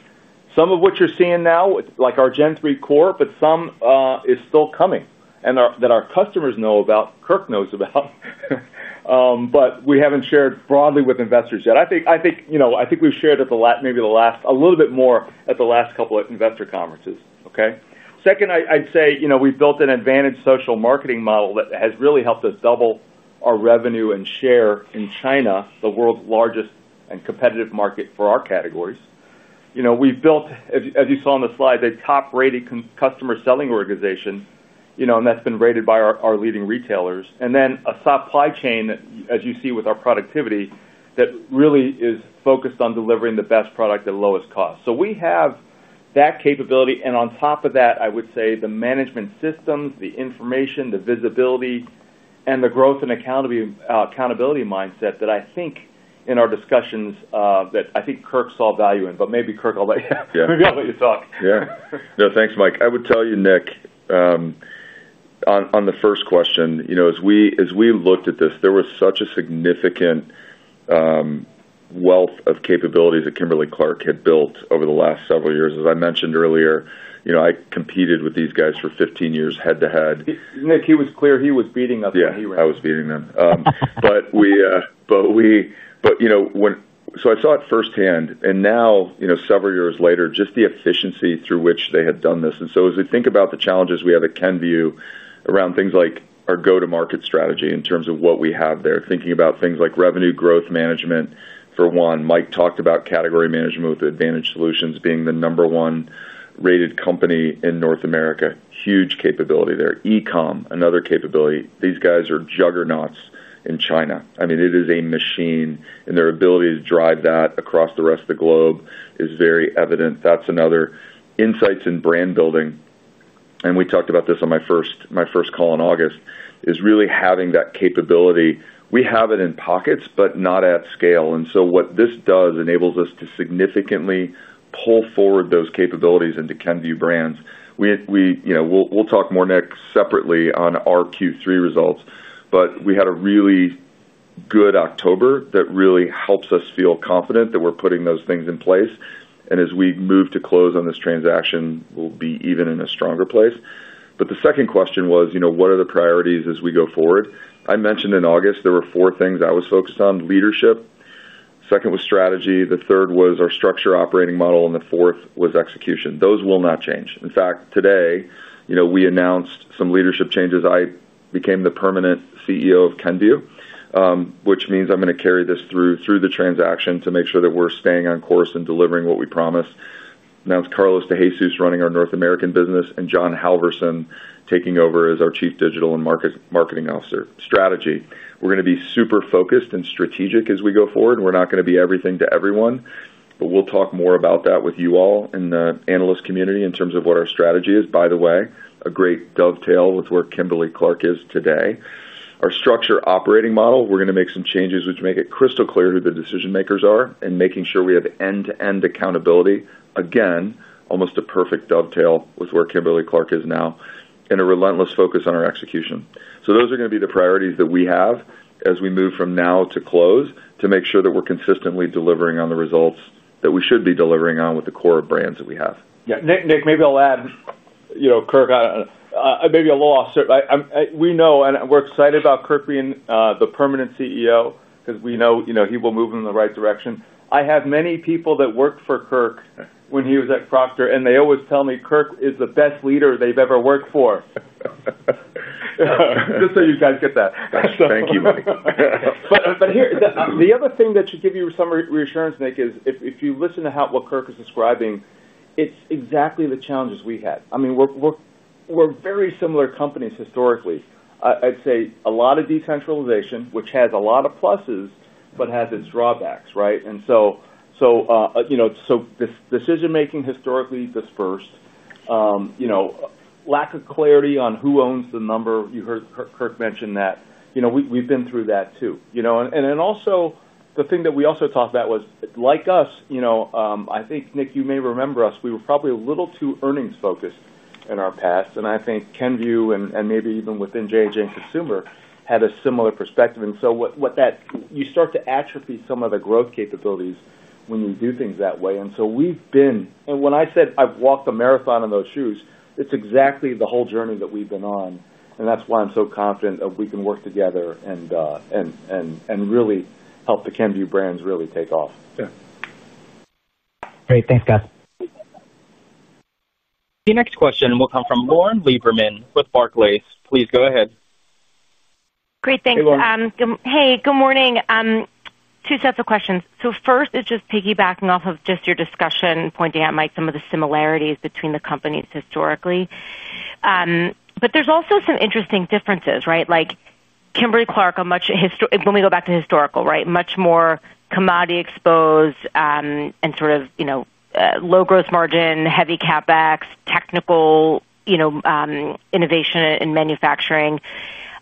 some of which you are seeing now, like our Gen3 Core, but some is still coming that our customers know about, Kirk knows about. We have not shared broadly with investors yet. I think we have shared maybe a little bit more at the last couple of investor conferences, okay? Second, I would say we have built an advantaged social marketing model that has really helped us double our revenue and share in China, the world's largest and competitive market for our categories. We have built, as you saw on the slide, a top-rated customer selling organization, and that has been rated by our leading retailers. A supply chain, as you see with our productivity, that really is focused on delivering the best product at lowest cost. We have that capability. On top of that, I would say the management systems, the information, the visibility, and the growth and accountability mindset that I think, in our discussions, that I think Kirk saw value in. Maybe, Kirk, I'll let you talk. Yeah. No, thanks, Mike. I would tell you, Nick, on the first question, as we looked at this, there was such a significant wealth of capabilities that Kimberly-Clark had built over the last several years. As I mentioned earlier, I competed with these guys for 15 years head to head. Nick, he was clear he was beating us when he ran. Yeah. I was beating them. So I saw it firsthand. Now, several years later, just the efficiency through which they had done this. As we think about the challenges we have at Kenvue around things like our go-to-market strategy in terms of what we have there, thinking about things like revenue growth management, for one, Mike talked about category management with Advantage Solutions being the number one rated company in North America. Huge capability there. E-comm, another capability. These guys are juggernauts in China. I mean, it is a machine. Their ability to drive that across the rest of the globe is very evident. That's another. Insights in brand building. We talked about this on my first call in August, really having that capability. We have it in pockets, but not at scale. What this does enables us to significantly pull forward those capabilities into Kenvue brands. We'll talk more, Nick, separately on our Q3 results. We had a really good October that really helps us feel confident that we're putting those things in place. As we move to close on this transaction, we'll be even in a stronger place. The second question was, what are the priorities as we go forward? I mentioned in August, there were four things I was focused on: leadership. Second was strategy. The third was our structure, operating model. The fourth was execution. Those will not change. In fact, today, we announced some leadership changes. I became the permanent CEO of Kenvue, which means I'm going to carry this through the transaction to make sure that we're staying on course and delivering what we promised. Now it's Carlos de Jesus running our North American business, and John Halverson taking over as our Chief Digital and Marketing Officer. Strategy. We're going to be super focused and strategic as we go forward. We're not going to be everything to everyone. We'll talk more about that with you all in the analyst community in terms of what our strategy is. By the way, a great dovetail with where Kimberly-Clark is today. Our structure, operating model, we're going to make some changes which make it crystal clear who the decision-makers are and making sure we have end-to-end accountability. Again, almost a perfect dovetail with where Kimberly-Clark is now and a relentless focus on our execution. So those are going to be the priorities that we have as we move from now to close to make sure that we're consistently delivering on the results that we should be delivering on with the core brands that we have. Yeah. Nick, maybe I'll add. Kirk. Maybe a little off-script. We know, and we're excited about Kirk being the permanent CEO because we know he will move in the right direction. I have many people that worked for Kirk when he was at Procter, and they always tell me, "Kirk is the best leader they've ever worked for." Just so you guys get that. Thank you, Mike. But the other thing that should give you some reassurance, Nick, is if you listen to what Kirk is describing, it's exactly the challenges we had. I mean, we're very similar companies historically. I'd say a lot of decentralization, which has a lot of pluses but has its drawbacks, right? This decision-making historically dispersed. Lack of clarity on who owns the number. You heard Kirk mention that. We've been through that too. The thing that we also talked about was, like us, I think, Nick, you may remember us, we were probably a little too earnings-focused in our past. I think Kenvue and maybe even within J&J and Consumer had a similar perspective. You start to atrophy some of the growth capabilities when you do things that way. We've been, and when I said I've walked a marathon in those shoes, it's exactly the whole journey that we've been on. That's why I'm so confident that we can work together and really help the Kenvue brands really take off. Yeah. Great. Thanks, guys. The next question will come from Lauren Lieberman with Barclays. Please go ahead. Great. Thanks. Hey. Good morning. Two sets of questions. First is just piggybacking off of just your discussion, pointing out, Mike, some of the similarities between the companies historically. There's also some interesting differences, right? Kimberly-Clark, when we go back to historical, right, much more commodity exposed and sort of low-growth margin, heavy CapEx, technical. Innovation in manufacturing,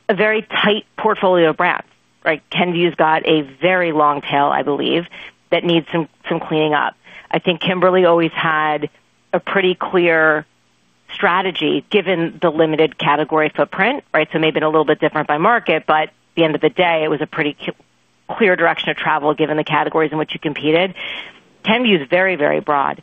a very tight portfolio of brands. Kenvue's got a very long tail, I believe, that needs some cleaning up. I think Kimberly always had a pretty clear strategy given the limited category footprint, right? Maybe a little bit different by market, but at the end of the day, it was a pretty clear direction of travel given the categories in which you competed. Kenvue's very, very broad.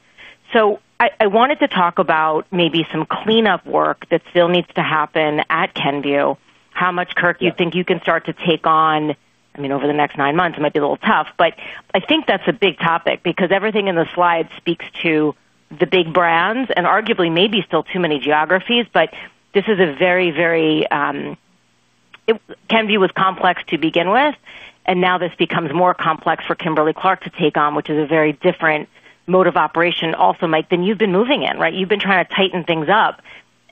I wanted to talk about maybe some cleanup work that still needs to happen at Kenvue. How much, Kirk, you think you can start to take on? I mean, over the next nine months, it might be a little tough. I think that's a big topic because everything in the slides speaks to the big brands and arguably maybe still too many geographies. But this is a very, very Kenvue was complex to begin with. Now this becomes more complex for Kimberly-Clark to take on, which is a very different mode of operation also, Mike, than you've been moving in, right? You've been trying to tighten things up.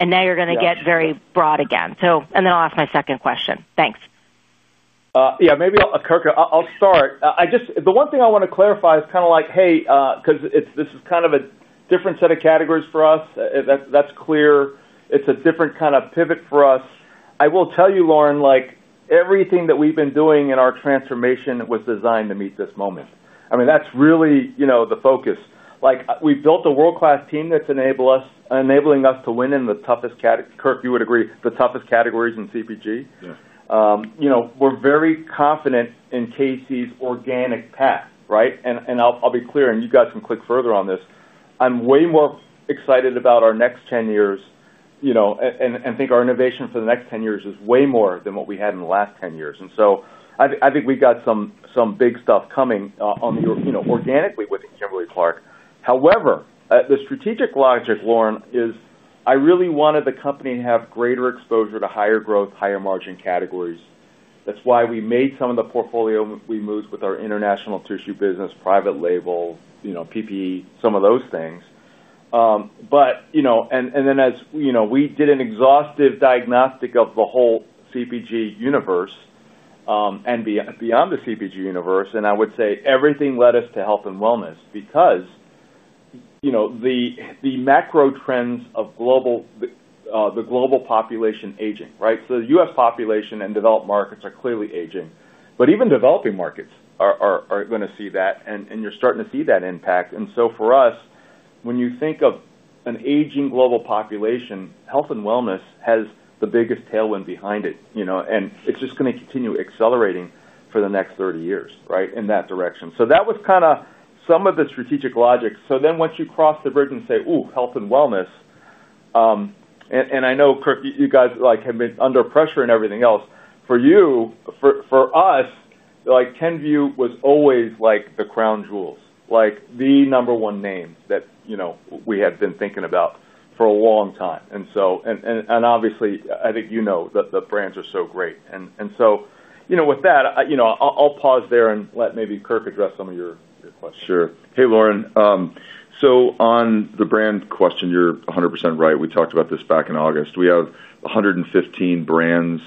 Now you're going to get very broad again. Then I'll ask my second question. Thanks. Maybe Kirk, I'll start. The one thing I want to clarify is kind of like, "Hey," because this is kind of a different set of categories for us. That's clear. It's a different kind of pivot for us. I will tell you, Lauren, everything that we've been doing in our transformation was designed to meet this moment. I mean, that's really the focus. We've built a world-class team that's enabling us to win in the toughest, Kirk, you would agree, the toughest categories in CPG. We're very confident in KC's organic path, right? I'll be clear, and you guys can click further on this. I'm way more excited about our next 10 years. I think our innovation for the next 10 years is way more than what we had in the last 10 years. I think we've got some big stuff coming organically within Kimberly-Clark. However, the strategic logic, Lauren, is I really wanted the company to have greater exposure to higher growth, higher margin categories. That's why we made some of the portfolio moves with our international tissue business, private label, PPE, some of those things. As we did an exhaustive diagnostic of the whole CPG universe. Beyond the CPG universe, I would say everything led us to health and wellness because the macro trends of the global population aging, right? The U.S. population and developed markets are clearly aging. Even developing markets are going to see that. You're starting to see that impact. For us, when you think of an aging global population, health and wellness has the biggest tailwind behind it. It's just going to continue accelerating for the next 30 years in that direction. That was kind of some of the strategic logic. Once you cross the bridge and say, "Ooh, health and wellness." I know, Kirk, you guys have been under pressure and everything else. For you, for us. Kenvue was always the crown jewels, the number one name that we had been thinking about for a long time. Obviously, I think you know that the brands are so great. With that, I'll pause there and let maybe Kirk address some of your questions. Sure. Hey, Lauren. On the brand question, you're 100% right. We talked about this back in August. We have 115 brands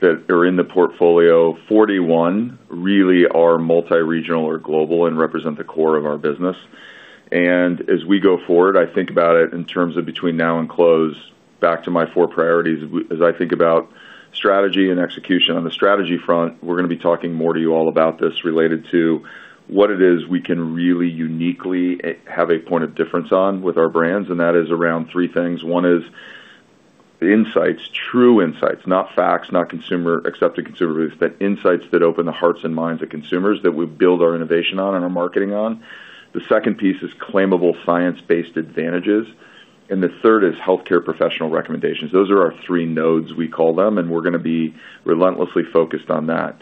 that are in the portfolio. 41 really are multi-regional or global and represent the core of our business. As we go forward, I think about it in terms of between now and close, back to my four priorities as I think about strategy and execution. On the strategy front, we're going to be talking more to you all about this related to what it is we can really uniquely have a point of difference on with our brands. That is around three things. One is insights, true insights, not facts, not accepted consumer beliefs, but insights that open the hearts and minds of consumers that we build our innovation on and our marketing on. The second piece is claimable science-based advantages. The third is healthcare professional recommendations. Those are our three nodes, we call them. We're going to be relentlessly focused on that.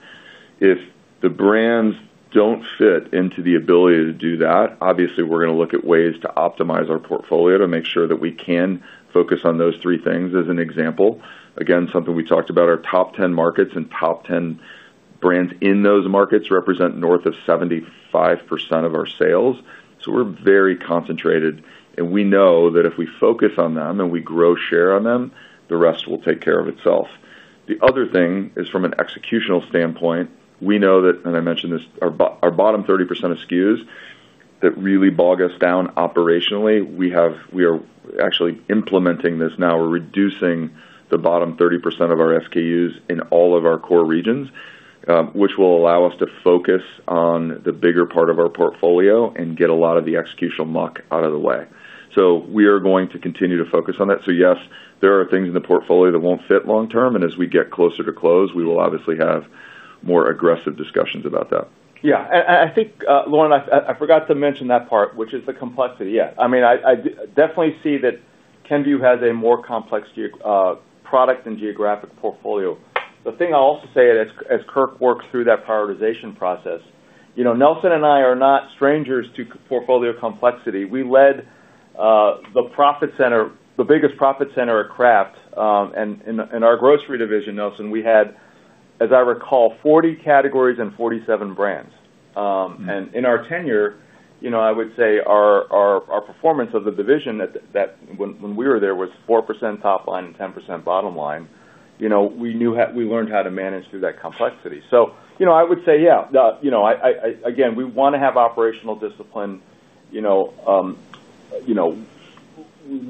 If the brands don't fit into the ability to do that, obviously, we're going to look at ways to optimize our portfolio to make sure that we can focus on those three things as an example. Again, something we talked about, our top 10 markets and top 10 brands in those markets represent north of 75% of our sales. We're very concentrated. We know that if we focus on them and we grow share on them, the rest will take care of itself. The other thing is from an executional standpoint, we know that, and I mentioned this, our bottom 30% of SKUs that really bog us down operationally, we are actually implementing this now. We're reducing the bottom 30% of our SKUs in all of our core regions, which will allow us to focus on the bigger part of our portfolio and get a lot of the executional muck out of the way. We are going to continue to focus on that. Yes, there are things in the portfolio that won't fit long-term. As we get closer to close, we will obviously have more aggressive discussions about that. Yeah. I think, Lauren, I forgot to mention that part, which is the complexity. Yeah. I mean, I definitely see that Kenvue has a more complex product and geographic portfolio. The thing I'll also say is, as Kirk works through that prioritization process, Nelson and I are not strangers to portfolio complexity. We led the biggest profit center at Kraft. In our grocery division, Nelson, we had, as I recall, 40 categories and 47 brands. In our tenure, I would say our performance of the division when we were there was 4% top line and 10% bottom line. We learned how to manage through that complexity. I would say, yeah, again, we want to have operational discipline,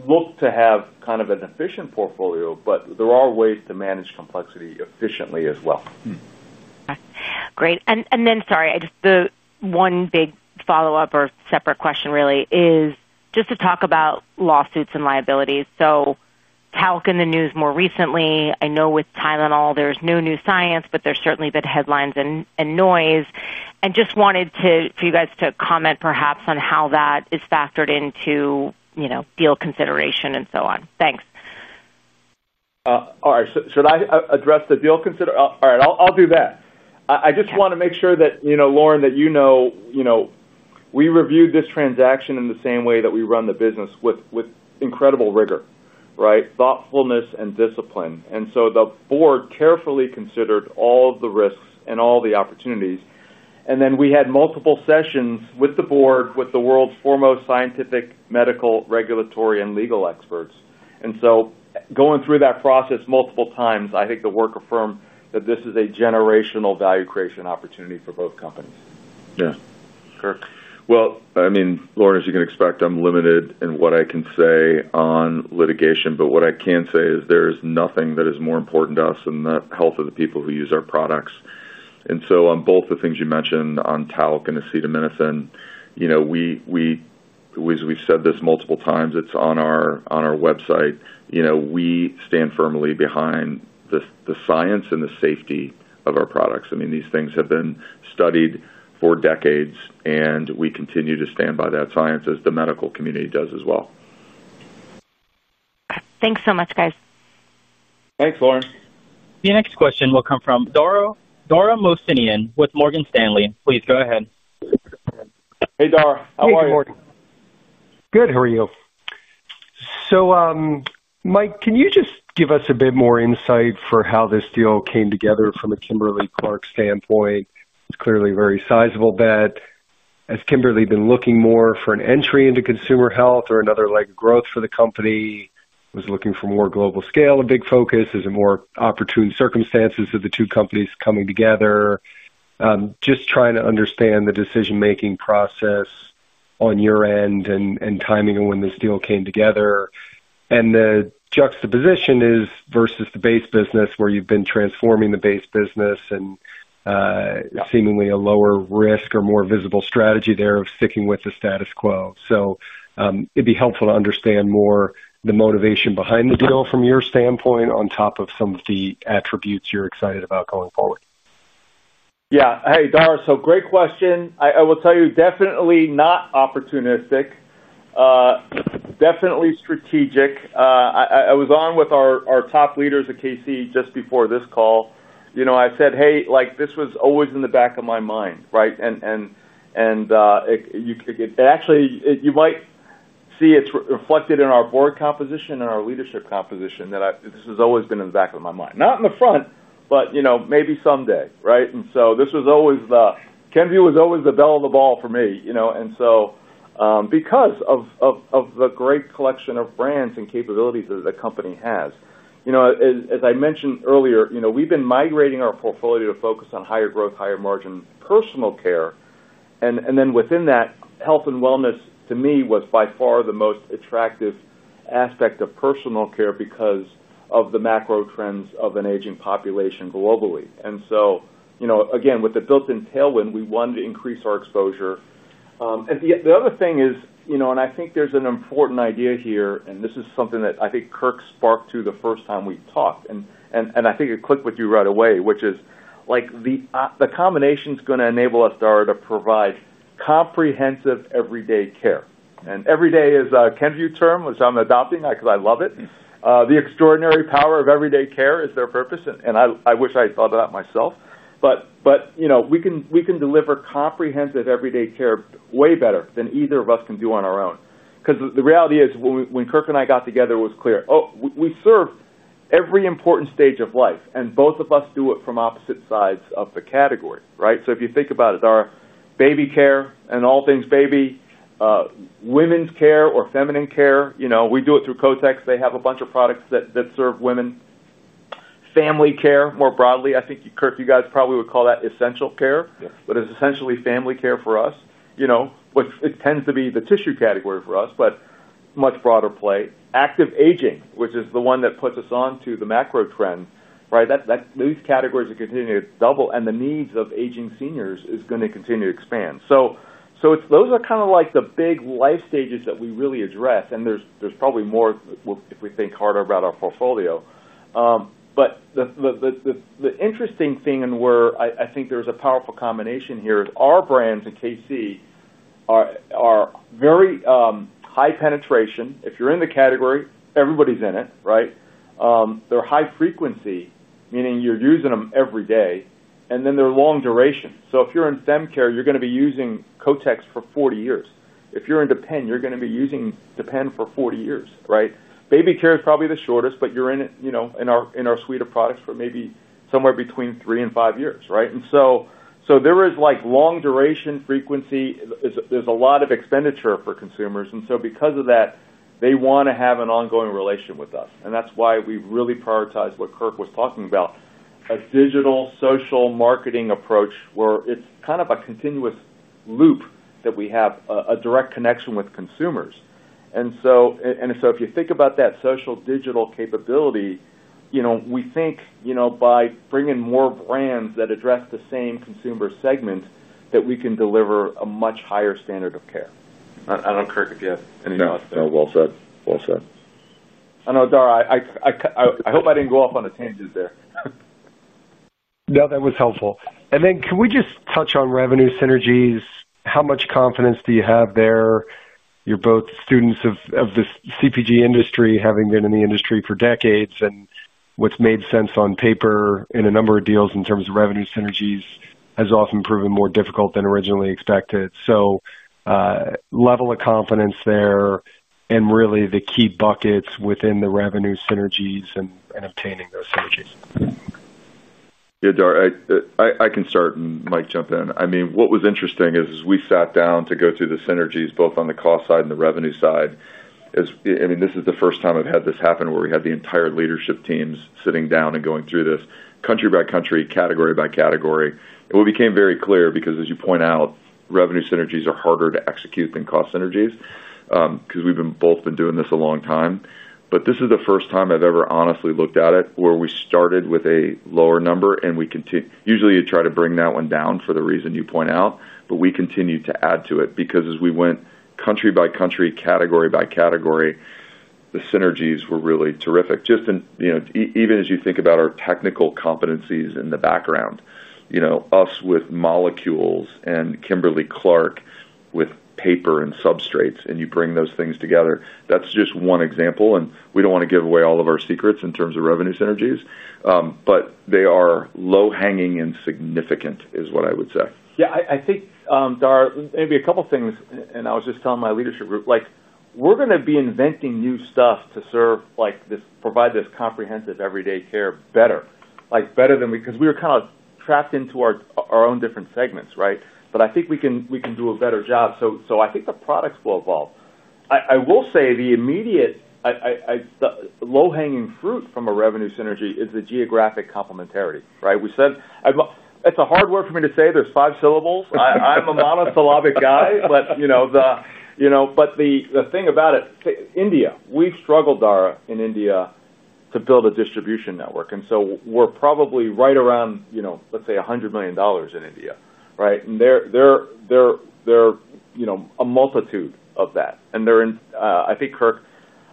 look to have kind of an efficient portfolio, but there are ways to manage complexity efficiently as well. Great. Sorry, the one big follow-up or separate question really is just to talk about lawsuits and liabilities. Talk in the news more recently. I know with Tylenol, there's no new science, but there's certainly been headlines and noise. Just wanted for you guys to comment perhaps on how that is factored into deal consideration and so on. Thanks. All right. Should I address the deal consideration? All right. I'll do that. I just want to make sure that, Lauren, that you know we reviewed this transaction in the same way that we run the business with incredible rigor, right? Thoughtfulness and discipline. The board carefully considered all of the risks and all the opportunities. We had multiple sessions with the board, with the world's foremost scientific, medical, regulatory, and legal experts. Going through that process multiple times, I think the work affirmed that this is a generational value creation opportunity for both companies. Yeah. Kirk. I mean, Lauren, as you can expect, I'm limited in what I can say on litigation. What I can say is there is nothing that is more important to us than the health of the people who use our products. On both the things you mentioned on talc and acetaminophen, as we've said this multiple times, it's on our website. We stand firmly behind the science and the safety of our products. These things have been studied for decades, and we continue to stand by that science as the medical community does as well. Thanks so much, guys. Thanks, Lauren. The next question will come from Dora Mosinian with Morgan Stanley. Please go ahead. Hey, Dora. How are you? Good. How are you? Mike, can you just give us a bit more insight for how this deal came together from a Kimberly-Clark standpoint? It's clearly a very sizable bet. Has Kimberly been looking more for an entry into consumer health or another leg of growth for the company? Was looking for more global scale, a big focus? Is it more opportune circumstances of the two companies coming together? Just trying to understand the decision-making process on your end and timing of when this deal came together. The juxtaposition is versus the base business where you've been transforming the base business and seemingly a lower risk or more visible strategy there of sticking with the status quo. It'd be helpful to understand more the motivation behind the deal from your standpoint on top of some of the attributes you're excited about going forward. Yeah. Hey, Dora. Great question. I will tell you, definitely not opportunistic. Definitely strategic. I was on with our top leaders at KC just before this call. I said, "Hey, this was always in the back of my mind," right? Actually, you might see it's reflected in our board composition and our leadership composition that this has always been in the back of my mind. Not in the front, but maybe someday, right? This was always, Kenvue was always the bell of the ball for me because of the great collection of brands and capabilities that the company has. As I mentioned earlier, we've been migrating our portfolio to focus on higher growth, higher margin, personal care. Within that, health and wellness, to me, was by far the most attractive aspect of personal care because of the macro trends of an aging population globally. With the built-in tailwind, we wanted to increase our exposure. The other thing is, and I think there's an important idea here, and this is something that I think Kirk sparked to the first time we talked. I think it clicked with you right away, which is the combination is going to enable us, Dora, to provide comprehensive everyday care. Everyday is a Kenvue term, which I'm adopting because I love it. The extraordinary power of everyday care is their purpose. I wish I thought of that myself. We can deliver comprehensive everyday care way better than either of us can do on our own. The reality is, when Kirk and I got together, it was clear, "Oh, we serve every important stage of life." Both of us do it from opposite sides of the category, right? If you think about it, Dora, baby care and all things baby. Women's care or feminine care, we do it through Kotex. They have a bunch of products that serve women. Family care more broadly. I think, Kirk, you guys probably would call that essential care. It's essentially family care for us. It tends to be the tissue category for us, but much broader play. Active aging, which is the one that puts us on to the macro trend, right? Those categories are continuing to double. The needs of aging seniors are going to continue to expand. Those are kind of like the big life stages that we really address. There's probably more if we think harder about our portfolio. The interesting thing and where I think there's a powerful combination here is our brands at KC are very high penetration. If you're in the category, everybody's in it, right? They're high frequency, meaning you're using them every day. They're long duration. If you're in stem care, you're going to be using Kotex for 40 years. If you're in Depend, you're going to be using Depend for 40 years, right? Baby care is probably the shortest, but you're in our suite of products for maybe somewhere between three and five years, right? There is long duration, frequency. There's a lot of expenditure for consumers. Because of that, they want to have an ongoing relation with us. That's why we really prioritize what Kirk was talking about. A digital social marketing approach where it's kind of a continuous loop that we have a direct connection with consumers. If you think about that social digital capability, we think by bringing more brands that address the same consumer segment, that we can deliver a much higher standard of care. I don't know, Kirk, if you have any thoughts there. No. Well said. Well said. I know, Dora, I hope I didn't go off on a tangent there. No, that was helpful. Can we just touch on revenue synergies? How much confidence do you have there? You're both students of the CPG industry, having been in the industry for decades. What's made sense on paper in a number of deals in terms of revenue synergies has often proven more difficult than originally expected. Level of confidence there and really the key buckets within the revenue synergies and obtaining those synergies. Yeah, Dora, I can start and Mike jump in. I mean, what was interesting is we sat down to go through the synergies both on the cost side and the revenue side. This is the first time I've had this happen where we had the entire leadership teams sitting down and going through this country by country, category by category. What became very clear because, as you point out, revenue synergies are harder to execute than cost synergies because we've both been doing this a long time. This is the first time I've ever honestly looked at it where we started with a lower number and we continued. Usually, you try to bring that one down for the reason you point out. We continued to add to it because as we went country by country, category by category, the synergies were really terrific. Just even as you think about our technical competencies in the background. Us with molecules and Kimberly-Clark with paper and substrates, and you bring those things together. That's just one example. We don't want to give away all of our secrets in terms of revenue synergies. They are low-hanging and significant, is what I would say. Yeah. I think, Dora, maybe a couple of things. I was just telling my leadership group, we're going to be inventing new stuff to provide this comprehensive everyday care better. Because we were kind of trapped into our own different segments, right? I think we can do a better job. I think the products will evolve. I will say the immediate low-hanging fruit from a revenue synergy is the geographic complementarity, right? It's hard work for me to say. There's five syllables. I'm a monosyllabic guy. The thing about it, India, we've struggled, Dora, in India to build a distribution network. We're probably right around, let's say, $100 million in India, right? They're a multitude of that. I think, Kirk,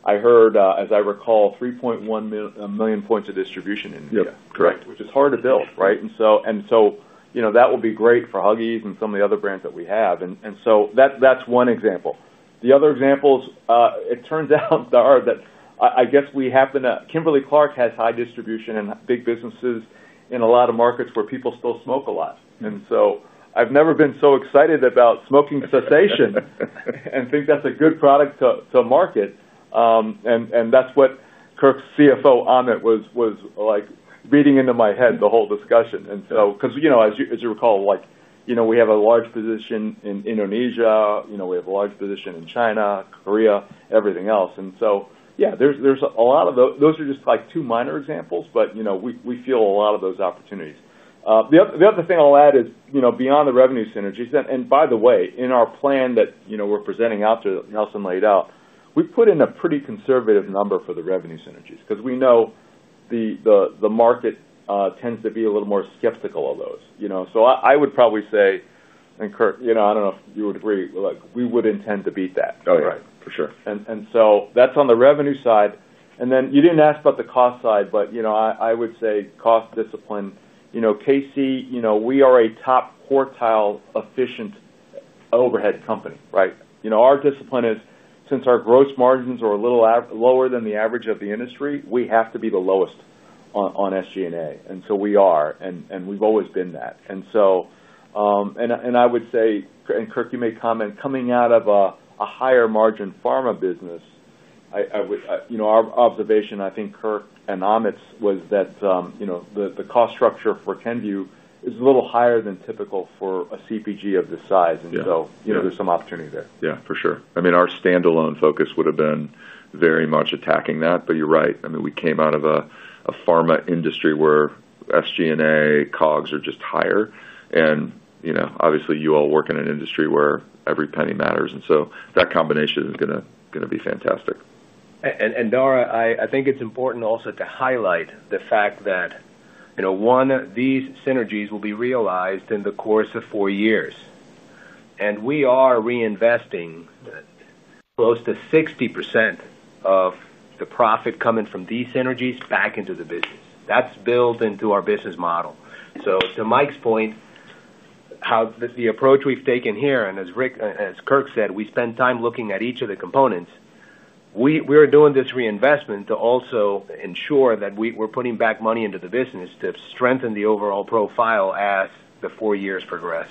I heard, as I recall, 3.1 million points of distribution in India. Correct. Which is hard to build, right? That will be great for Huggies and some of the other brands that we have. That is one example. The other examples, it turns out, Dora, that I guess we happen to, Kimberly-Clark has high distribution and big businesses in a lot of markets where people still smoke a lot. I have never been so excited about smoking cessation and think that is a good product to market. That is what Kirk's CFO, Amit, was reading into my head the whole discussion. Because, as you recall, we have a large position in Indonesia. We have a large position in China, Korea, everything else. There are a lot of those, those are just two minor examples, but we feel a lot of those opportunities. The other thing I will add is beyond the revenue synergies. By the way, in our plan that we are presenting out to Nelson laid out, we have put in a pretty conservative number for the revenue synergies because we know the market tends to be a little more skeptical of those. I would probably say, and Kirk, I do not know if you would agree, we would intend to beat that. Oh, yeah. For sure. That is on the revenue side. You did not ask about the cost side, but I would say cost discipline. KC, we are a top quartile efficient overhead company, right? Our discipline is, since our gross margins are a little lower than the average of the industry, we have to be the lowest on SG&A. We are, and we have always been that. I would say, and Kirk, you may comment, coming out of a higher margin pharma business, our observation, I think, Kirk and Amit's, was that the cost structure for Kenvue is a little higher than typical for a CPG of this size. There is some opportunity there. Yeah. For sure. I mean, our standalone focus would have been very much attacking that. You are right. We came out of a pharma industry where SG&A, COGS are just higher. Obviously, you all work in an industry where every penny matters. That combination is going to be fantastic. Dora, I think it is important also to highlight the fact that, one, these synergies will be realized in the course of four years. We are reinvesting close to 60% of the profit coming from these synergies back into the business. That is built into our business model. To Mike's point, the approach we have taken here, and as Kirk said, we spend time looking at each of the components. We are doing this reinvestment to also ensure that we are putting back money into the business to strengthen the overall profile as the four years progress.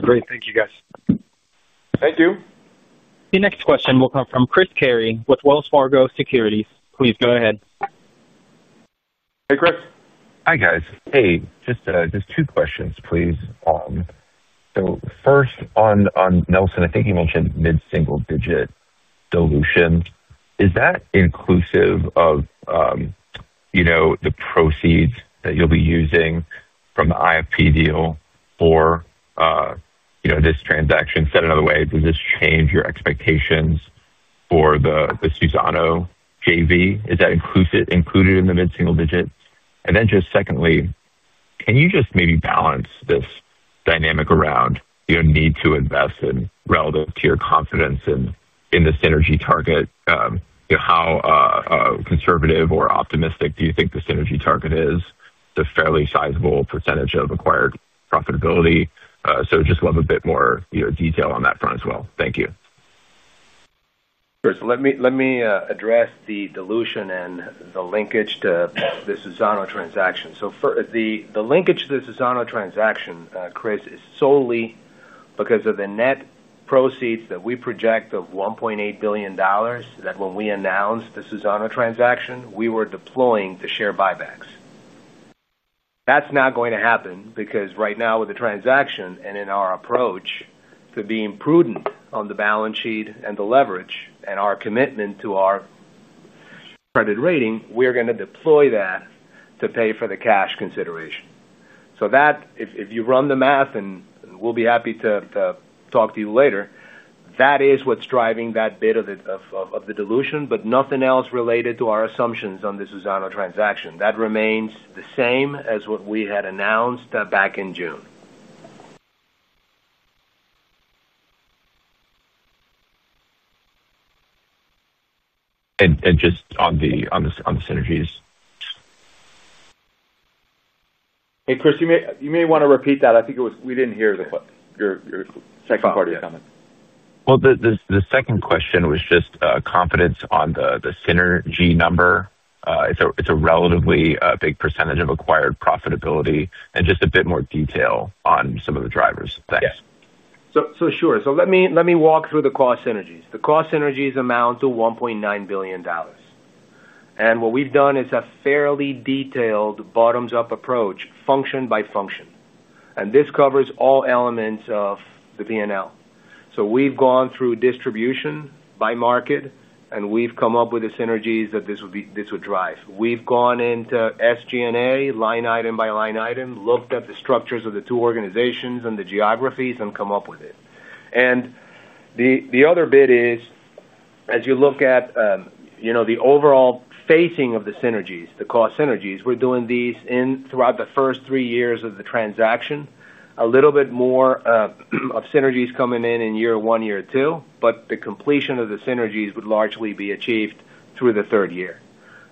Great. Thank you, guys. Thank you. The next question will come from Chris Kerry with Wells Fargo Securities. Please go ahead. Hey, Chris. Hi, guys. Hey. Just two questions, please. First, on Nelson, I think you mentioned mid-single digit dilution. Is that inclusive of the proceeds that you'll be using from the IFP deal for this transaction? Said another way, does this change your expectations for the Suzano S.A? Is that included in the mid-single digit? And then just secondly, can you just maybe balance this dynamic around need to invest in relative to your confidence in the synergy target? How conservative or optimistic do you think the synergy target is? It's a fairly sizable percentage of acquired profitability. Just love a bit more detail on that front as well. Thank you. Chris, let me address the dilution and the linkage to the Suzano transaction. The linkage to the Suzano transaction, Chris, is solely because of the net proceeds that we project of $1.8 billion that when we announced the Suzano transaction, we were deploying to share buybacks. That's not going to happen because right now with the transaction and in our approach to being prudent on the balance sheet and the leverage and our commitment to our credit rating, we're going to deploy that to pay for the cash consideration. If you run the math, and we'll be happy to talk to you later, that is what's driving that bit of the dilution, but nothing else related to our assumptions on the Suzano transaction. That remains the same as what we had announced back in June. On the synergies. Hey, Chris, you may want to repeat that. I think we didn't hear your second part of your comment. The second question was just confidence on the synergy number. It's a relatively big percentage of acquired profitability. Just a bit more detail on some of the drivers. Thanks. Sure. Let me walk through the cost synergies. The cost synergies amount to $1.9 billion. What we've done is a fairly detailed bottoms-up approach, function by function. This covers all elements of the P&L. We've gone through distribution by market, and we've come up with the synergies that this would drive. We've gone into SG&A, line item by line item, looked at the structures of the two organizations and the geographies and come up with it. The other bit is as you look at the overall phasing of the synergies, the cost synergies, we're doing these throughout the first three years of the transaction, a little bit more of synergies coming in in year one, year two, but the completion of the synergies would largely be achieved through the third year.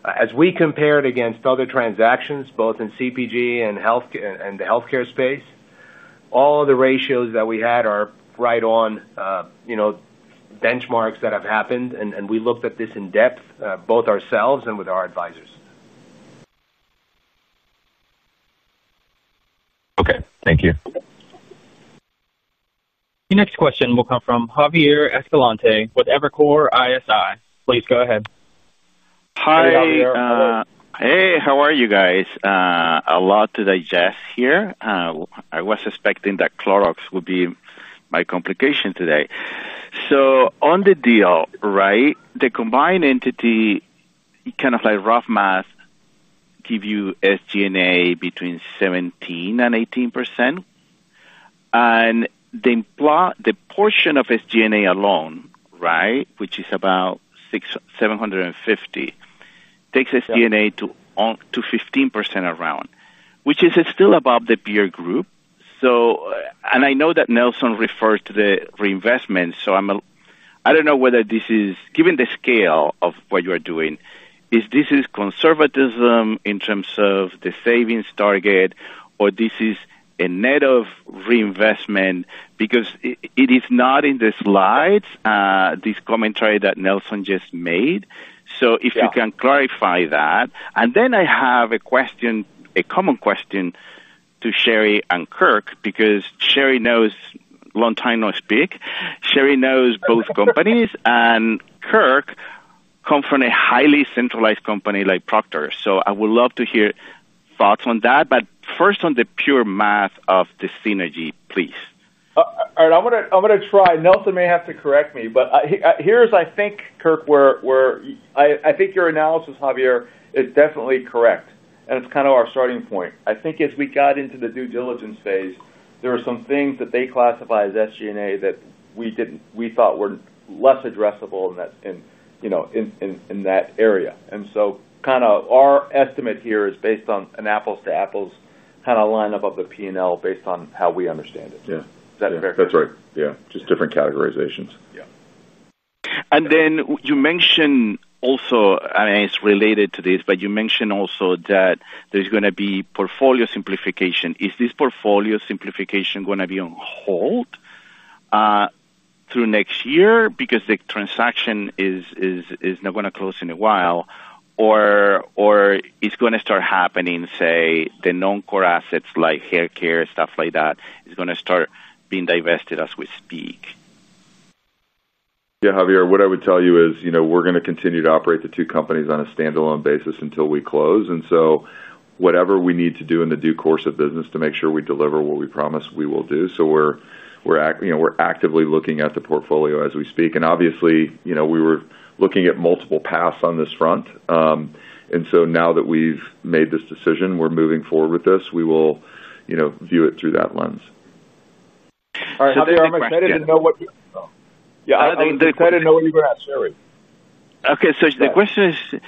As we compared against other transactions, both in CPG and the healthcare space, all the ratios that we had are right on benchmarks that have happened. We looked at this in depth, both ourselves and with our advisors. Okay. Thank you. The next question will come from Javier Escalante with Evercore ISI. Please go ahead. Hey, how are you guys? A lot to digest here. I was expecting that Clorox would be my complication today. On the deal, right, the combined entity. Kind of like rough math gives you SG&A between 17% and 18%. The portion of SG&A alone, right, which is about 750, takes SG&A to 15% around, which is still above the peer group. I know that Nelson referred to the reinvestment. I do not know whether this is, given the scale of what you are doing, is this conservatism in terms of the savings target, or is this a net of reinvestment? Because it is not in the slides, this commentary that Nelson just made. If you can clarify that. I have a common question to Sherilyn and Kirk because Sherilyn, long time no speak. Sherry knows both companies. Kirk comes from a highly centralized company like Procter. I would love to hear thoughts on that. First, on the pure math of the synergy, please. All right. I am going to try. Nelson may have to correct me. Here is, I think, Kirk, where I think your analysis, Javier, is definitely correct. It is kind of our starting point. As we got into the due diligence phase, there were some things that they classify as SG&A that we thought were less addressable in that area. Our estimate here is based on an apples-to-apples kind of lineup of the P&L based on how we understand it. Is that fair? Yeah. That is right. Yeah. Just different categorizations. You mentioned also, I mean, it is related to this, but you mentioned also that there is going to be portfolio simplification. Is this portfolio simplification going to be on hold through next year because the transaction is not going to close in a while? Or is it going to start happening, say, the non-core assets like haircare, stuff like that, is going to start being divested as we speak? Yeah, Javier, what I would tell you is we are going to continue to operate the two companies on a standalone basis until we close. Whatever we need to do in the due course of business to make sure we deliver what we promise, we will do. We are actively looking at the portfolio as we speak. Obviously, we were looking at multiple paths on this front. Now that we have made this decision, we are moving forward with this. We will view it through that lens. All right. I am excited to know what you are going to tell. Yeah. I am excited to know what you are going to ask Sherilyn. Okay. The question is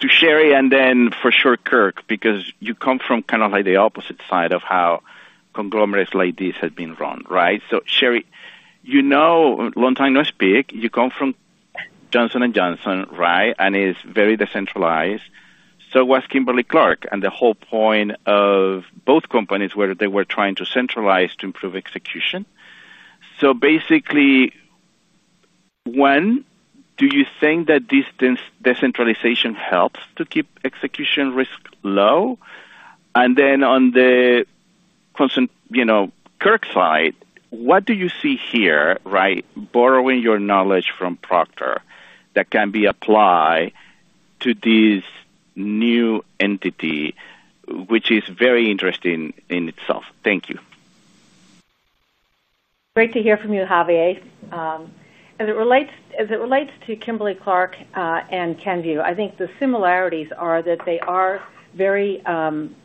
to Sherilyn and then for sure Kirk because you come from kind of like the opposite side of how conglomerates like this have been run, right? Sherry, you know, long time no speak. You come from Johnson & Johnson, right? And it is very decentralized. So was Kimberly-Clark. The whole point of both companies was they were trying to centralize to improve execution. Basically, one, do you think that this decentralization helps to keep execution risk low? On the Kirk side, what do you see here, right, borrowing your knowledge from Procter that can be applied to this new entity, which is very interesting in itself? Thank you. Great to hear from you, Javier. As it relates to Kimberly-Clark and Kenvue, I think the similarities are that they are very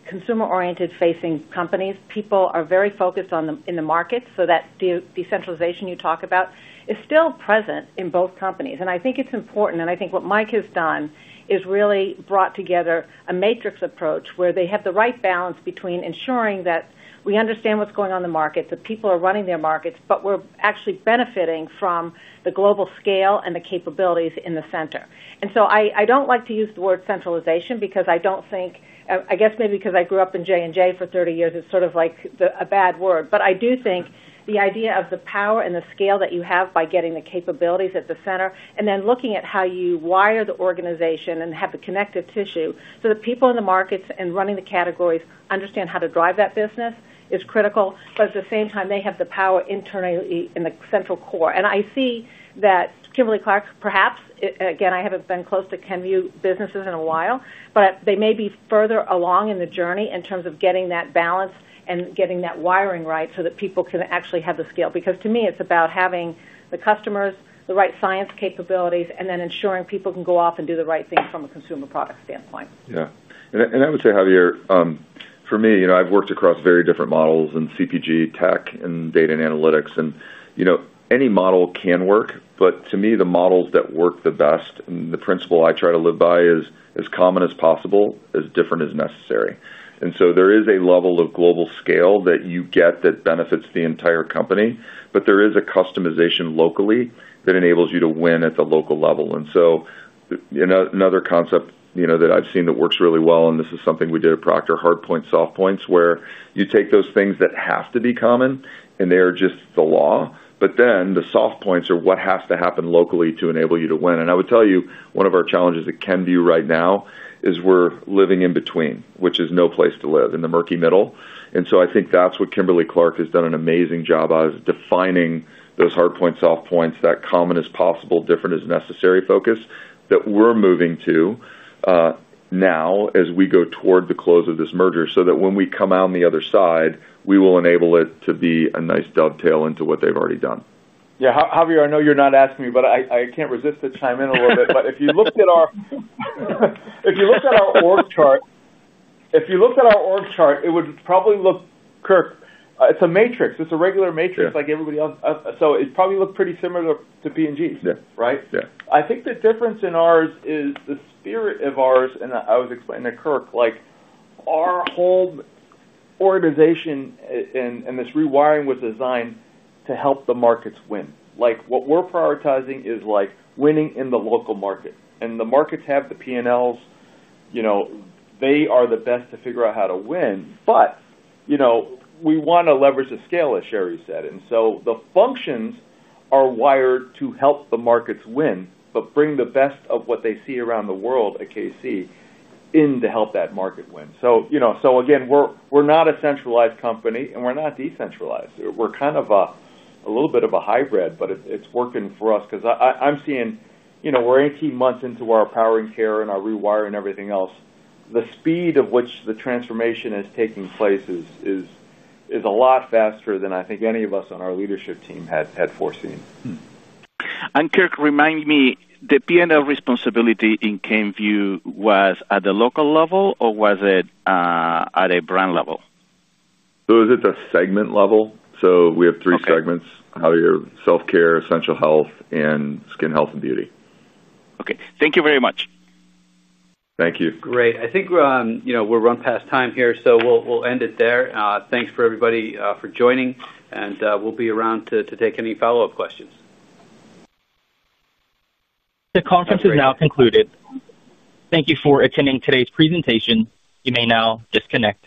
consumer-oriented-facing companies. People are very focused in the market. That decentralization you talk about is still present in both companies. I think it is important. I think what Mike has done is really brought together a matrix approach where they have the right balance between ensuring that we understand what is going on in the market, that people are running their markets, but we are actually benefiting from the global scale and the capabilities in the center. I do not like to use the word centralization because I do not think, I guess maybe because I grew up in J&J for 30 years, it is sort of like a bad word. I do think the idea of the power and the scale that you have by getting the capabilities at the center, and then looking at how you wire the organization and have the connective tissue so that people in the markets and running the categories understand how to drive that business, is critical. At the same time, they have the power internally in the central core. I see that Kimberly-Clark, perhaps, again, I have not been close to Kenvue businesses in a while, but they may be further along in the journey in terms of getting that balance and getting that wiring right so that people can actually have the scale. To me, it is about having the customers, the right science capabilities, and then ensuring people can go off and do the right thing from a consumer product standpoint. Yeah. I would say, Javier, for me, I have worked across very different models in CPG tech and data and analytics. Any model can work. To me, the models that work the best, and the principle I try to live by, is as common as possible, as different as necessary. There is a level of global scale that you get that benefits the entire company. There is a customization locally that enables you to win at the local level. Another concept that I have seen that works really well, and this is something we did at Procter, hard points, soft points, where you take those things that have to be common, and they are just the law. The soft points are what has to happen locally to enable you to win. I would tell you, one of our challenges at Kenvue right now is we're living in between, which is no place to live, in the murky middle. I think that's what Kimberly-Clark has done an amazing job of, defining those hard points, soft points, that common as possible, different as necessary focus that we're moving to. Now as we go toward the close of this merger so that when we come out on the other side, we will enable it to be a nice dovetail into what they've already done. Yeah. Javier, I know you're not asking me, but I can't resist to chime in a little bit. If you looked at our org chart, it would probably look, Kirk, it's a matrix. It's a regular matrix like everybody else. It probably looks pretty similar to P&G's, right? I think the difference in ours is the spirit of ours, and I was explaining to Kirk. Our whole organization and this rewiring was designed to help the markets win. What we're prioritizing is winning in the local market. The markets have the P&Ls. They are the best to figure out how to win. We want to leverage the scale, as Sherilyn said. The functions are wired to help the markets win, but bring the best of what they see around the world at KC in to help that market win. Again, we're not a centralized company, and we're not decentralized. We're kind of a little bit of a hybrid, but it's working for us because I'm seeing we're 18 months into our power and care and our rewiring and everything else. The speed of which the transformation is taking place is a lot faster than I think any of us on our leadership team had foreseen. Kirk, remind me, the P&L responsibility in Kenvue was at the local level, or was it at a brand level? It was at the segment level. We have three segments: self-care, essential health, and skin health and beauty. Okay. Thank you very much. Thank you. Great. I think we've run past time here, so we'll end it there. Thanks for everybody for joining. We'll be around to take any follow-up questions. The conference is now concluded. Thank you for attending today's presentation. You may now disconnect.